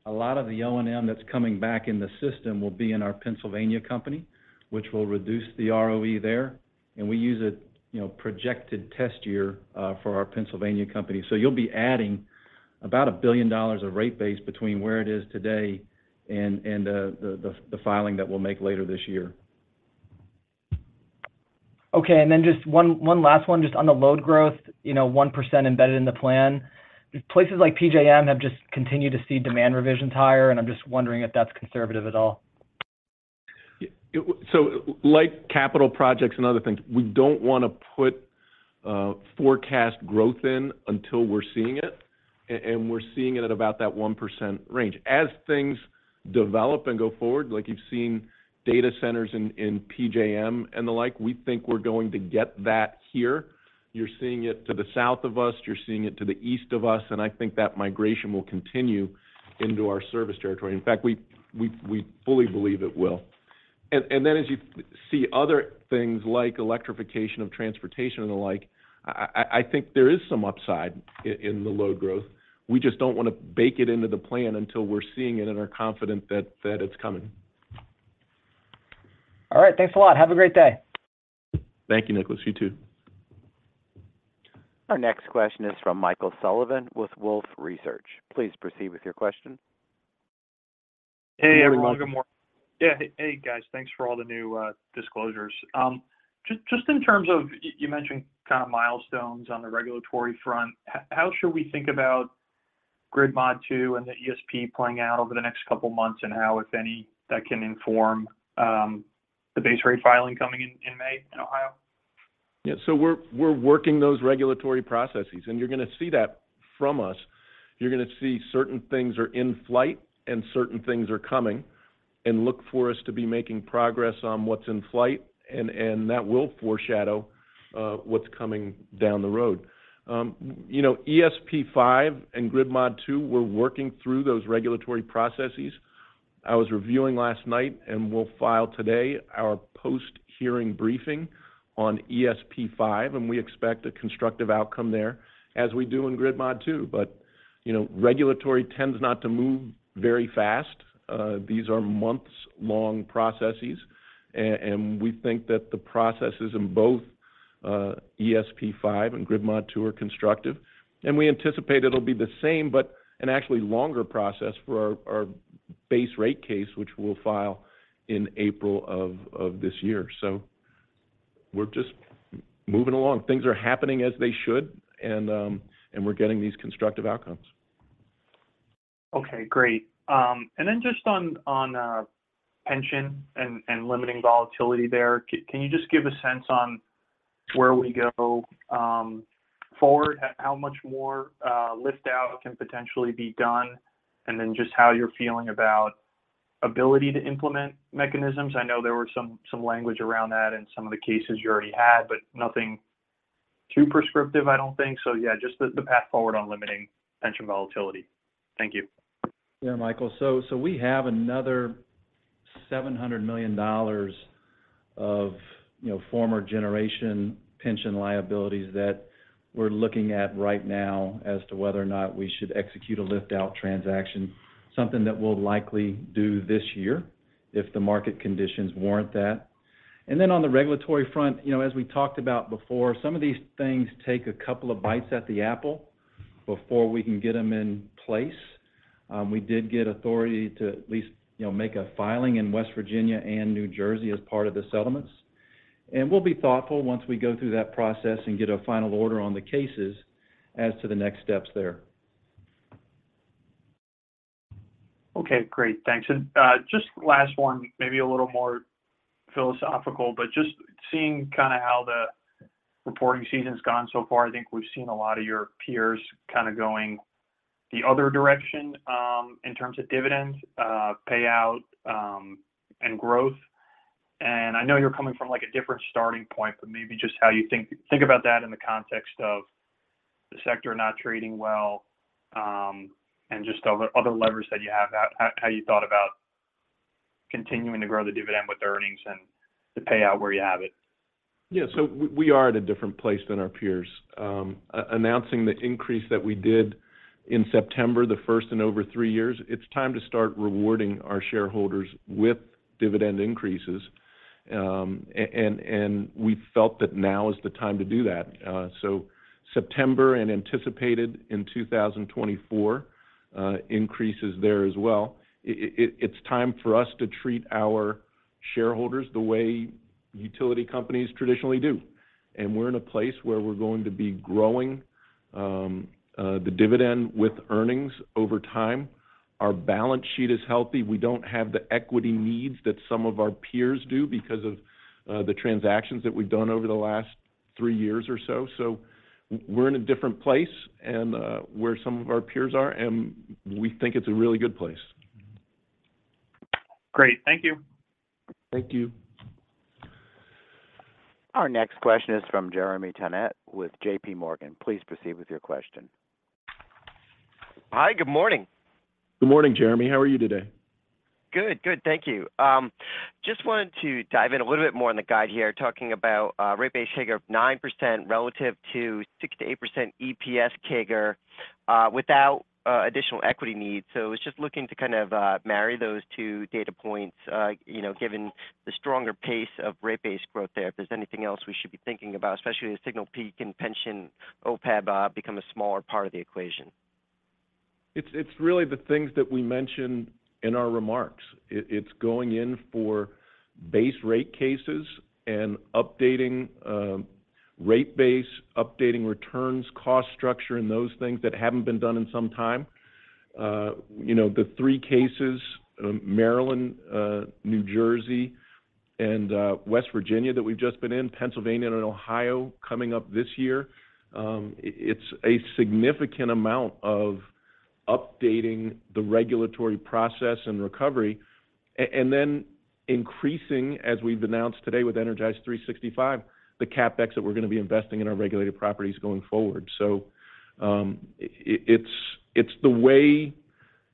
a lot of the O&M that's coming back in the system will be in our Pennsylvania company, which will reduce the ROE there. And we use a projected test year for our Pennsylvania company. So you'll be adding about $1 billion of rate base between where it is today and the filing that we'll make later this year. Okay. And then just one last one, just on the load growth, 1% embedded in the plan. Places like PJM have just continued to see demand revisions higher. And I'm just wondering if that's conservative at all. So like capital projects and other things, we don't want to put forecast growth in until we're seeing it. And we're seeing it at about that 1% range. As things develop and go forward, like you've seen data centers in PJM and the like, we think we're going to get that here. You're seeing it to the south of us. You're seeing it to the east of us. And I think that migration will continue into our service territory. In fact, we fully believe it will. And then as you see other things like electrification of transportation and the like, I think there is some upside in the load growth. We just don't want to bake it into the plan until we're seeing it and are confident that it's coming. All right. Thanks a lot. Have a great day. Thank you, Nicholas. You too. Our next question is from Michael Sullivan with Wolfe Research. Please proceed with your question. Hey, everyone. Yeah. Hey, guys. Thanks for all the new disclosures. Just in terms of you mentioned kind of milestones on the regulatory front. How should we think about Grid Mod 2 and the ESP playing out over the next couple of months and how, if any, that can inform the base rate filing coming in May in Ohio? Yeah. So we're working those regulatory processes. And you're going to see that from us. You're going to see certain things are in flight and certain things are coming and look for us to be making progress on what's in flight. That will foreshadow what's coming down the road. ESP5 and Grid Mod 2, we're working through those regulatory processes. I was reviewing last night, and we'll file today our post-hearing briefing on ESP5. We expect a constructive outcome there as we do in Grid Mod 2. But regulatory tends not to move very fast. These are months-long processes. We think that the processes in both ESP5 and Grid Mod 2 are constructive. We anticipate it'll be the same but an actually longer process for our base rate case, which we'll file in April of this year. We're just moving along. Things are happening as they should. We're getting these constructive outcomes. Okay. Great. And then just on pension and limiting volatility there, can you just give a sense on where we go forward, how much more lift-out can potentially be done, and then just how you're feeling about ability to implement mechanisms? I know there was some language around that in some of the cases you already had, but nothing too prescriptive, I don't think. So yeah, just the path forward on limiting pension volatility. Thank you. Yeah, Michael. So we have another $700 million of former generation pension liabilities that we're looking at right now as to whether or not we should execute a lift-out transaction, something that we'll likely do this year if the market conditions warrant that. And then on the regulatory front, as we talked about before, some of these things take a couple of bites at the apple before we can get them in place. We did get authority to at least make a filing in West Virginia and New Jersey as part of the settlements. And we'll be thoughtful once we go through that process and get a final order on the cases as to the next steps there. Okay. Great. Thanks. And just last one, maybe a little more philosophical, but just seeing kind of how the reporting season's gone so far, I think we've seen a lot of your peers kind of going the other direction in terms of dividend payout and growth. And I know you're coming from a different starting point, but maybe just how you think about that in the context of the sector not trading well and just other levers that you have, how you thought about continuing to grow the dividend with earnings and the payout where you have it. Yeah. So we are at a different place than our peers. Announcing the increase that we did in September, the first in over three years, it's time to start rewarding our shareholders with dividend increases. And we felt that now is the time to do that. So September and anticipated in 2024 increases there as well. It's time for us to treat our shareholders the way utility companies traditionally do. And we're in a place where we're going to be growing the dividend with earnings over time. Our balance sheet is healthy. We don't have the equity needs that some of our peers do because of the transactions that we've done over the last three years or so. So we're in a different place and where some of our peers are. And we think it's a really good place. Great. Thank you. Thank you. Our next question is from Jeremy Tonet with JPMorgan. Please proceed with your question. Hi. Good morning. Good morning, Jeremy. How are you today? Good. Good. Thank you. Just wanted to dive in a little bit more in the guide here, talking about rate-based CAGR of 9% relative to 6%-8% EPS CAGR without additional equity needs. So I was just looking to kind of marry those two data points given the stronger pace of rate-based growth there. If there's anything else we should be thinking about, especially as Signal Peak and pension OPEB become a smaller part of the equation. It's really the things that we mentioned in our remarks. It's going in for base rate cases and updating rate base, updating returns, cost structure, and those things that haven't been done in some time. The three cases, Maryland, New Jersey, and West Virginia that we've just been in, Pennsylvania, and Ohio coming up this year, it's a significant amount of updating the regulatory process and recovery and then increasing, as we've announced today with Energize 365, the Capex that we're going to be investing in our regulated properties going forward. So it's the way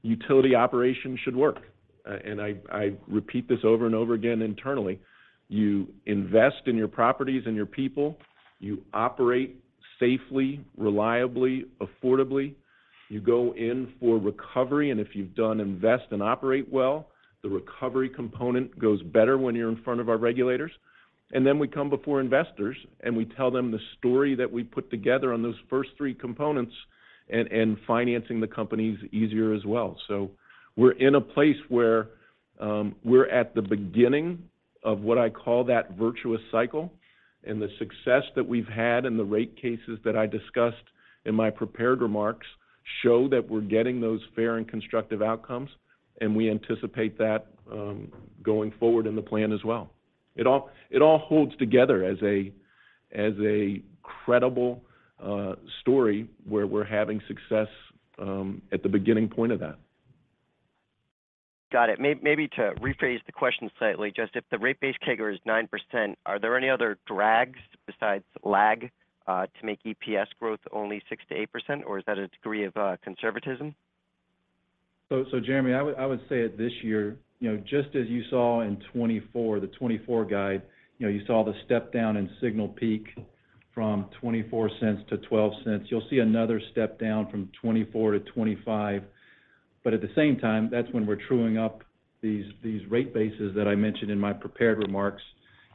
utility operations should work. And I repeat this over and over again internally. You invest in your properties and your people. You operate safely, reliably, affordably. You go in for recovery. And if you've done invest and operate well, the recovery component goes better when you're in front of our regulators. And then we come before investors, and we tell them the story that we put together on those first three components, and financing the company's easier as well. So we're in a place where we're at the beginning of what I call that virtuous cycle. And the success that we've had and the rate cases that I discussed in my prepared remarks show that we're getting those fair and constructive outcomes. And we anticipate that going forward in the plan as well. It all holds together as a credible story where we're having success at the beginning point of that. Got it. Maybe to rephrase the question slightly, just if the rate-based CAGR is 9%, are there any other drags besides lag to make EPS growth only 6%-8%? Or is that a degree of conservatism? So Jeremy, I would say that this year, just as you saw in 2024, the 2024 guide, you saw the step down in Signal Peak from 0.24 to 0.12. You'll see another step down from 2024 to 2025. But at the same time, that's when we're truing up these rate bases that I mentioned in my prepared remarks,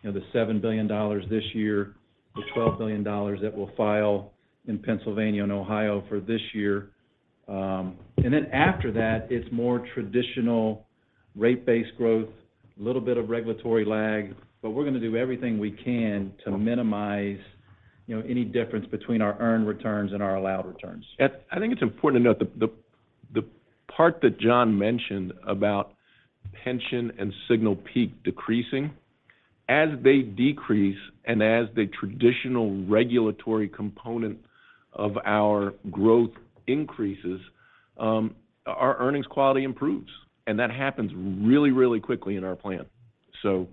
the $7 billion this year, the $12 billion that we'll file in Pennsylvania and Ohio for this year. And then after that, it's more traditional rate-based growth, a little bit of regulatory lag. But we're going to do everything we can to minimize any difference between our earned returns and our allowed returns. I think it's important to note the part that Jon mentioned about pension and Signal Peak decreasing. As they decrease and as the traditional regulatory component of our growth increases, our earnings quality improves. And that happens really, really quickly in our plan. So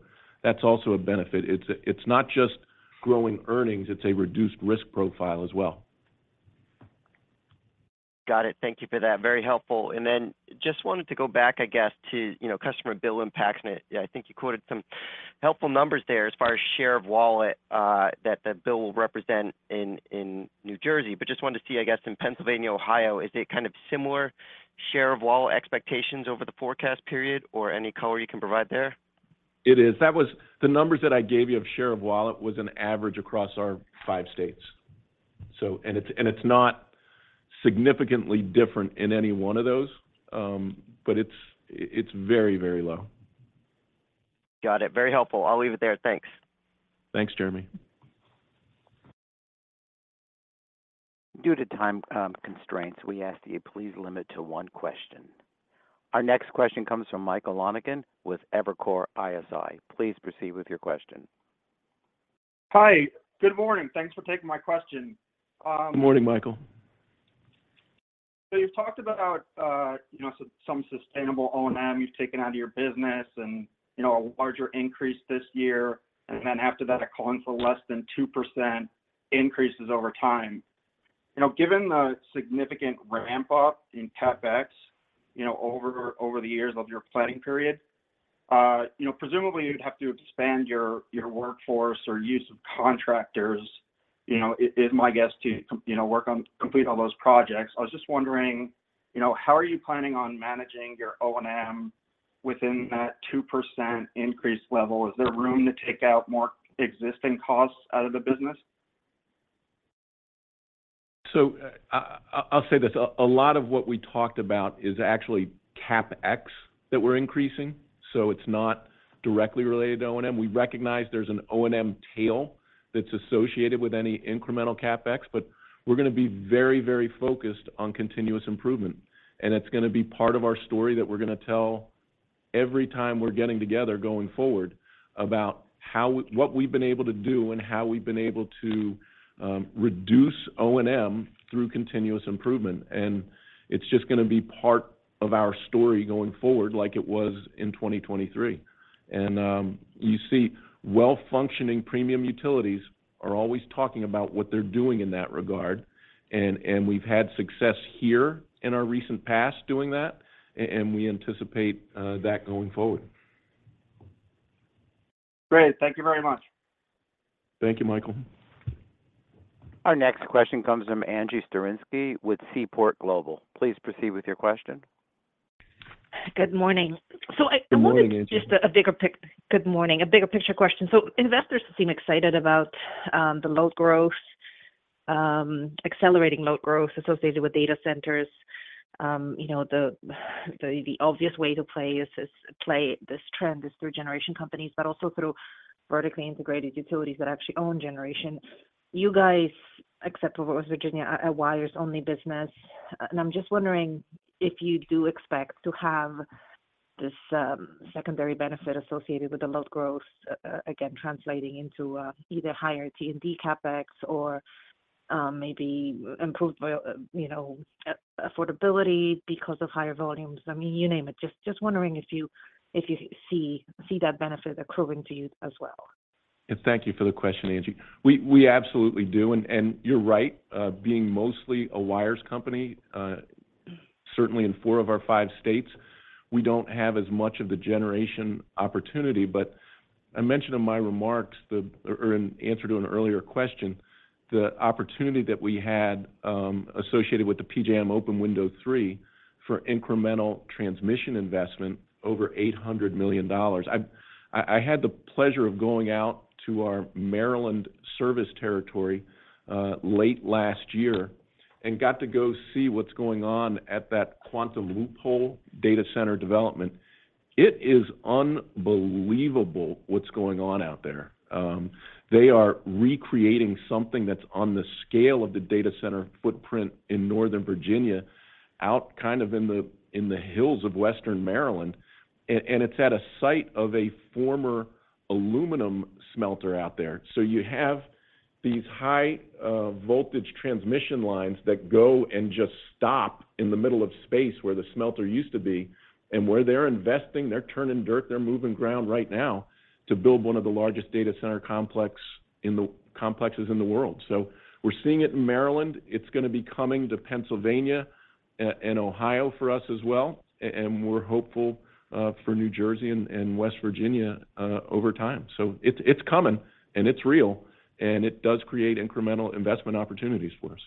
that's also a benefit. It's not just growing earnings. It's a reduced risk profile as well. Got it. Thank you for that. Very helpful. And then just wanted to go back, I guess, to customer bill impacts. And I think you quoted some helpful numbers there as far as share of wallet that the bill will represent in New Jersey. But just wanted to see, I guess, in Pennsylvania, Ohio, is it kind of similar share of wallet expectations over the forecast period or any color you can provide there? It is. The numbers that I gave you of share of wallet was an average across our five states. And it's not significantly different in any one of those. But it's very, very low. Got it. Very helpful. I'll leave it there. Thanks. Thanks, Jeremy. Due to time constraints, we ask that you please limit to one question. Our next question comes from Michael Lonegan with Evercore ISI. Please proceed with your question. Hi. Good morning. Thanks for taking my question. Good morning, Michael. So you've talked about some sustainable O&M you've taken out of your business and a larger increase this year. And then after that, a calling for less than 2% increases over time. Given the significant ramp-up in Capex over the years of your planning period, presumably, you'd have to expand your workforce or use of contractors, is my guess, to work on complete all those projects. I was just wondering, how are you planning on managing your O&M within that 2% increase level? Is there room to take out more existing costs out of the business? So I'll say this. A lot of what we talked about is actually Capex that we're increasing. So it's not directly related to O&M. We recognize there's an O&M tail that's associated with any incremental Capex. But we're going to be very, very focused on continuous improvement. It's going to be part of our story that we're going to tell every time we're getting together going forward about what we've been able to do and how we've been able to reduce O&M through continuous improvement. And it's just going to be part of our story going forward like it was in 2023. And you see, well-functioning premium utilities are always talking about what they're doing in that regard. And we've had success here in our recent past doing that. And we anticipate that going forward. Great. Thank you very much. Thank you, Michael. Our next question comes from Angie Storozynski with Seaport Global. Please proceed with your question. Good morning. So I wanted just a bigger picture good morning, a bigger picture question. So investors seem excited about the load growth, accelerating load growth associated with data centers. The obvious way to play this trend is through generation companies but also through vertically integrated utilities that actually own generation. You guys, except for West Virginia, a wires-only business. And I'm just wondering if you do expect to have this secondary benefit associated with the load growth, again, translating into either higher T&D Capex or maybe improved affordability because of higher volumes. I mean, you name it. Just wondering if you see that benefit accruing to you as well. And thank you for the question, Angie. We absolutely do. And you're right. Being mostly a wires company, certainly in four of our five states, we don't have as much of the generation opportunity. But I mentioned in my remarks or in answer to an earlier question, the opportunity that we had associated with the PJM Open Window 3 for incremental transmission investment, over $800 million. I had the pleasure of going out to our Maryland service territory late last year and got to go see what's going on at that Quantum Loophole data center development. It is unbelievable what's going on out there. They are recreating something that's on the scale of the data center footprint in Northern Virginia out kind of in the hills of Western Maryland. It's at a site of a former aluminum smelter out there. You have these high-voltage transmission lines that go and just stop in the middle of space where the smelter used to be. Where they're investing, they're turning dirt. They're moving ground right now to build one of the largest data center complexes in the world. We're seeing it in Maryland. It's going to be coming to Pennsylvania and Ohio for us as well. And we're hopeful for New Jersey and West Virginia over time. So it's coming. And it's real. And it does create incremental investment opportunities for us.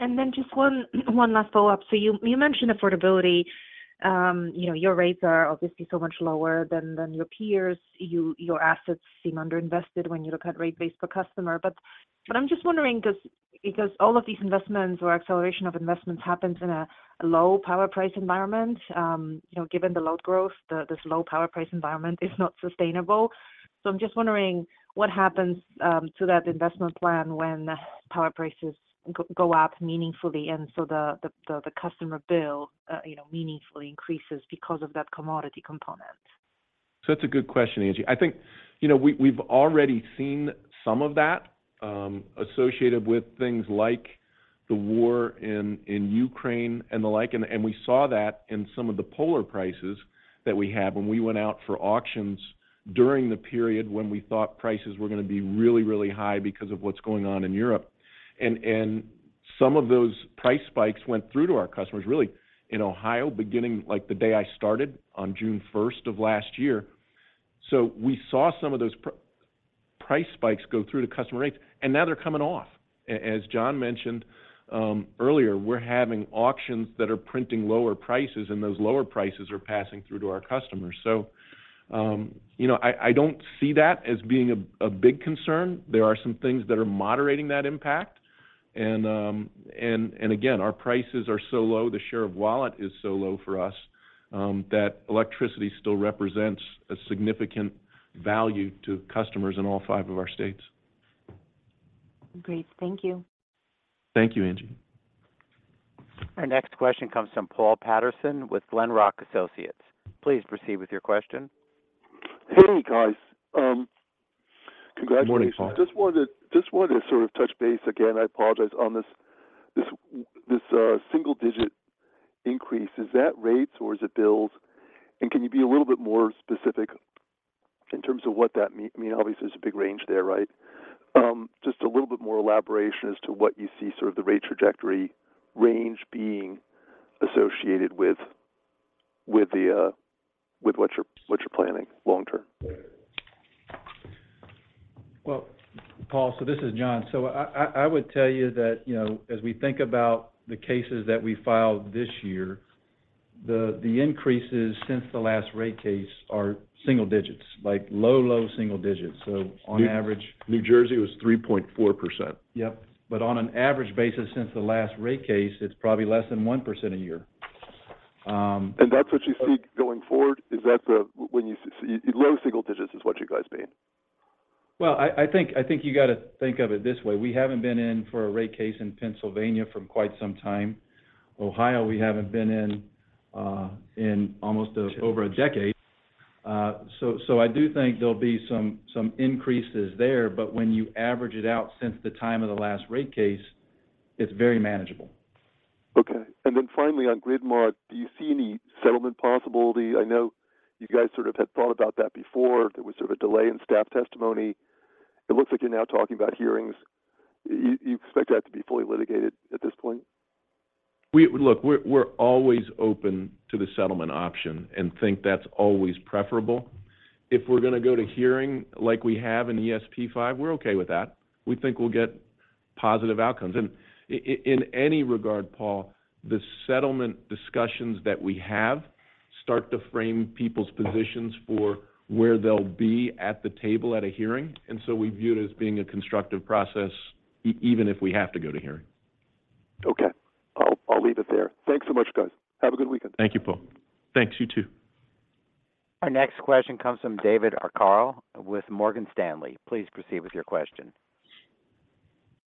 And then just one last follow-up. So you mentioned affordability. Your rates are obviously so much lower than your peers. Your assets seem underinvested when you look at rate-based per customer. But I'm just wondering because all of these investments or acceleration of investments happens in a low power price environment. Given the load growth, this low power price environment is not sustainable. So I'm just wondering what happens to that investment plan when power prices go up meaningfully and so the customer bill meaningfully increases because of that commodity component. So that's a good question, Angie. I think we've already seen some of that associated with things like the war in Ukraine and the like. We saw that in some of the power prices that we had when we went out for auctions during the period when we thought prices were going to be really, really high because of what's going on in Europe. Some of those price spikes went through to our customers, really, in Ohio beginning the day I started on June 1st of last year. So we saw some of those price spikes go through to customer rates. And now they're coming off. As Jon mentioned earlier, we're having auctions that are printing lower prices. And those lower prices are passing through to our customers. So I don't see that as being a big concern. There are some things that are moderating that impact. And again, our prices are so low. The share of wallet is so low for us that electricity still represents a significant value to customers in all five of our states. Great. Thank you. Thank you, Angie. Our next question comes from Paul Patterson with Glenrock Associates. Please proceed with your question. Hey, guys. Congratulations. Morning, Paul. Just wanted to sort of touch base again. I apologize on this single-digit increase. Is that rates or is it bills? And can you be a little bit more specific in terms of what that means? I mean, obviously, there's a big range there, right? Just a little bit more elaboration as to what you see sort of the rate trajectory range being associated with what you're planning long term. Well, Paul, so this is Jon. So I would tell you that as we think about the cases that we filed this year, the increases since the last rate case are single digits, like low, low single digits. So on average New Jersey was 3.4%. Yep. But on an average basis since the last rate case, it's probably less than 1% a year. And that's what you see going forward? Is that the low single digits is what you guys mean? Well, I think you got to think of it this way. We haven't been in for a rate case in Pennsylvania for quite some time. Ohio, we haven't been in in almost over a decade. So I do think there'll be some increases there. But when you average it out since the time of the last rate case, it's very manageable. Okay. And then finally, on Grid Mod, do you see any settlement possibility? I know you guys sort of had thought about that before. There was sort of a delay in staff testimony. It looks like you're now talking about hearings. You expect that to be fully litigated at this point? Look, we're always open to the settlement option and think that's always preferable. If we're going to go to hearing like we have in ESP5, we're okay with that. We think we'll get positive outcomes. In any regard, Paul, the settlement discussions that we have start to frame people's positions for where they'll be at the table at a hearing. So we view it as being a constructive process even if we have to go to hearing. Okay. I'll leave it there. Thanks so much, guys. Have a good weekend. Thank you, Paul. Thanks. You too. Our next question comes from David Arcaro with Morgan Stanley. Please proceed with your question.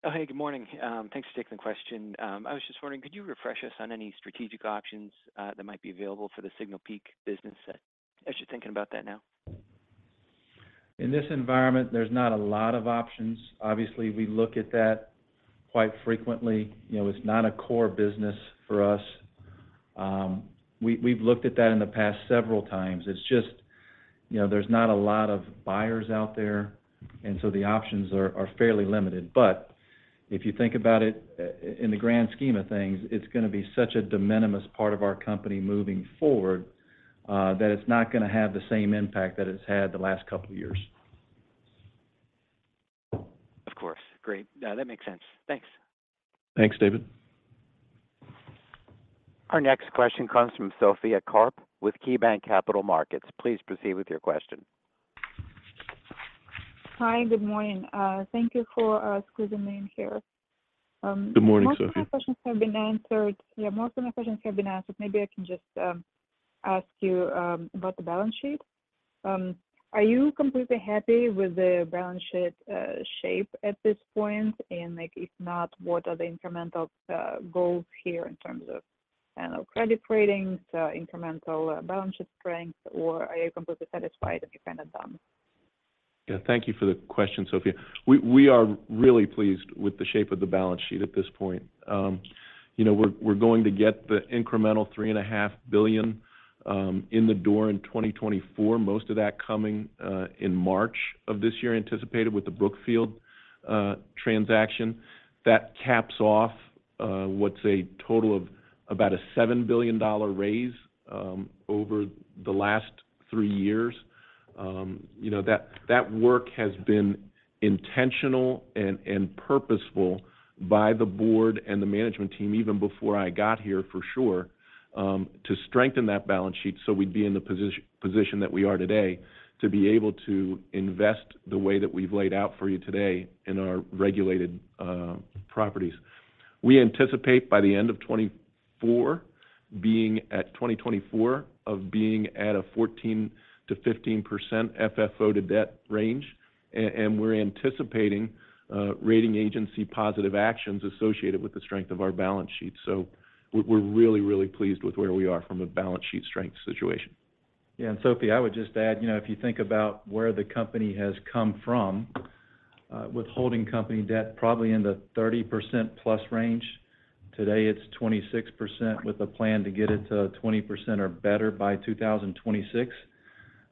Oh, hey. Good morning. Thanks for taking the question. I was just wondering, could you refresh us on any strategic options that might be available for the Signal Peak business as you're thinking about that now? In this environment, there's not a lot of options. Obviously, we look at that quite frequently. It's not a core business for us. We've looked at that in the past several times. It's just there's not a lot of buyers out there. And so the options are fairly limited. But if you think about it in the grand scheme of things, it's going to be such a de minimis part of our company moving forward that it's not going to have the same impact that it's had the last couple of years. Of course. Great. That makes sense. Thanks. Thanks, David. Our next question comes from Sophie Karp with KeyBanc Capital Markets. Please proceed with your question. Hi. Good morning. Thank you for squeezing me in here. Good morning, Sophia. Most of my questions have been answered. Yeah. Most of my questions have been answered. Maybe I can just ask you about the balance sheet. Are you completely happy with the balance sheet shape at this point? And if not, what are the incremental goals here in terms of annual credit ratings, incremental balance sheet strength? Or are you completely satisfied and you've kind of done? Yeah. Thank you for the question, Sophia. We are really pleased with the shape of the balance sheet at this point. We're going to get the incremental $3.5 billion in the door in 2024, most of that coming in March of this year anticipated with the Brookfield transaction. That caps off what's a total of about a $7 billion raise over the last three years. That work has been intentional and purposeful by the board and the management team even before I got here, for sure, to strengthen that balance sheet so we'd be in the position that we are today to be able to invest the way that we've laid out for you today in our regulated properties. We anticipate by the end of 2024 of being at a 14%-15% FFO to debt range. And we're anticipating rating agency positive actions associated with the strength of our balance sheet. So we're really, really pleased with where we are from a balance sheet strength situation. Yeah. And Sophie, I would just add, if you think about where the company has come from with holding company debt, probably in the 30%+ range. Today, it's 26% with a plan to get it to 20% or better by 2026.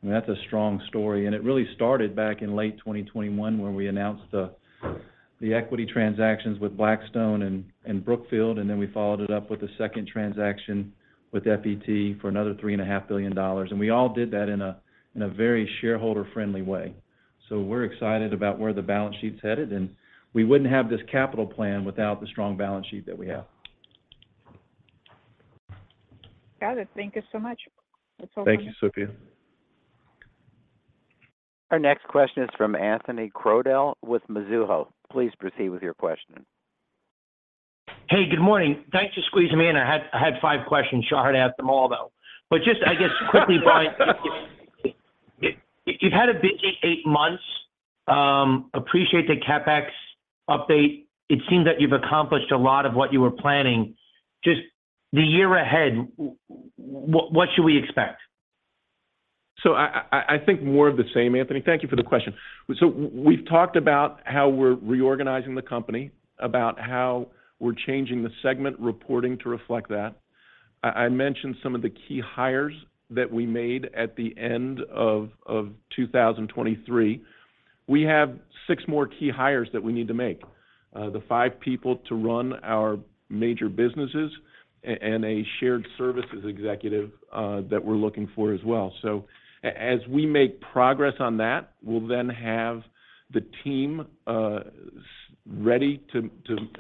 I mean, that's a strong story. And it really started back in late 2021 when we announced the equity transactions with Blackstone and Brookfield. And then we followed it up with a second transaction with FET for another $3.5 billion. And we all did that in a very shareholder-friendly way. So we're excited about where the balance sheet's headed. And we wouldn't have this capital plan without the strong balance sheet that we have. Got it. Thank you so much. That's helpful. Thank you, Sophia. Our next question is from Anthony Crowdell with Mizuho. Please proceed with your question. Hey. Good morning. Thanks for squeezing me in. I had 5 questions. Sure. I'd ask them all, though. But just, I guess, quickly, Brian, you've had a busy 8 months. Appreciate the CapEx update. It seems that you've accomplished a lot of what you were planning. Just the year ahead, what should we expect? So I think more of the same, Anthony. Thank you for the question. So we've talked about how we're reorganizing the company, about how we're changing the segment reporting to reflect that. I mentioned some of the key hires that we made at the end of 2023. We have six more key hires that we need to make, the five people to run our major businesses and a shared services executive that we're looking for as well. So as we make progress on that, we'll then have the team ready to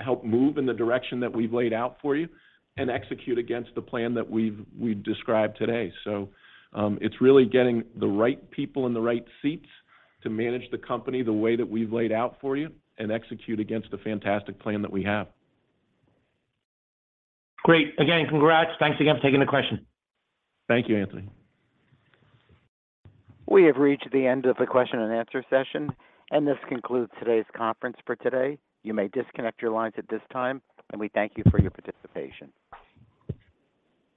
help move in the direction that we've laid out for you and execute against the plan that we've described today. So it's really getting the right people in the right seats to manage the company the way that we've laid out for you and execute against the fantastic plan that we have. Great. Again, congrats. Thanks again for taking the question. Thank you, Anthony. We have reached the end of the question and answer session. This concludes today's conference for today. You may disconnect your lines at this time. We thank you for your participation.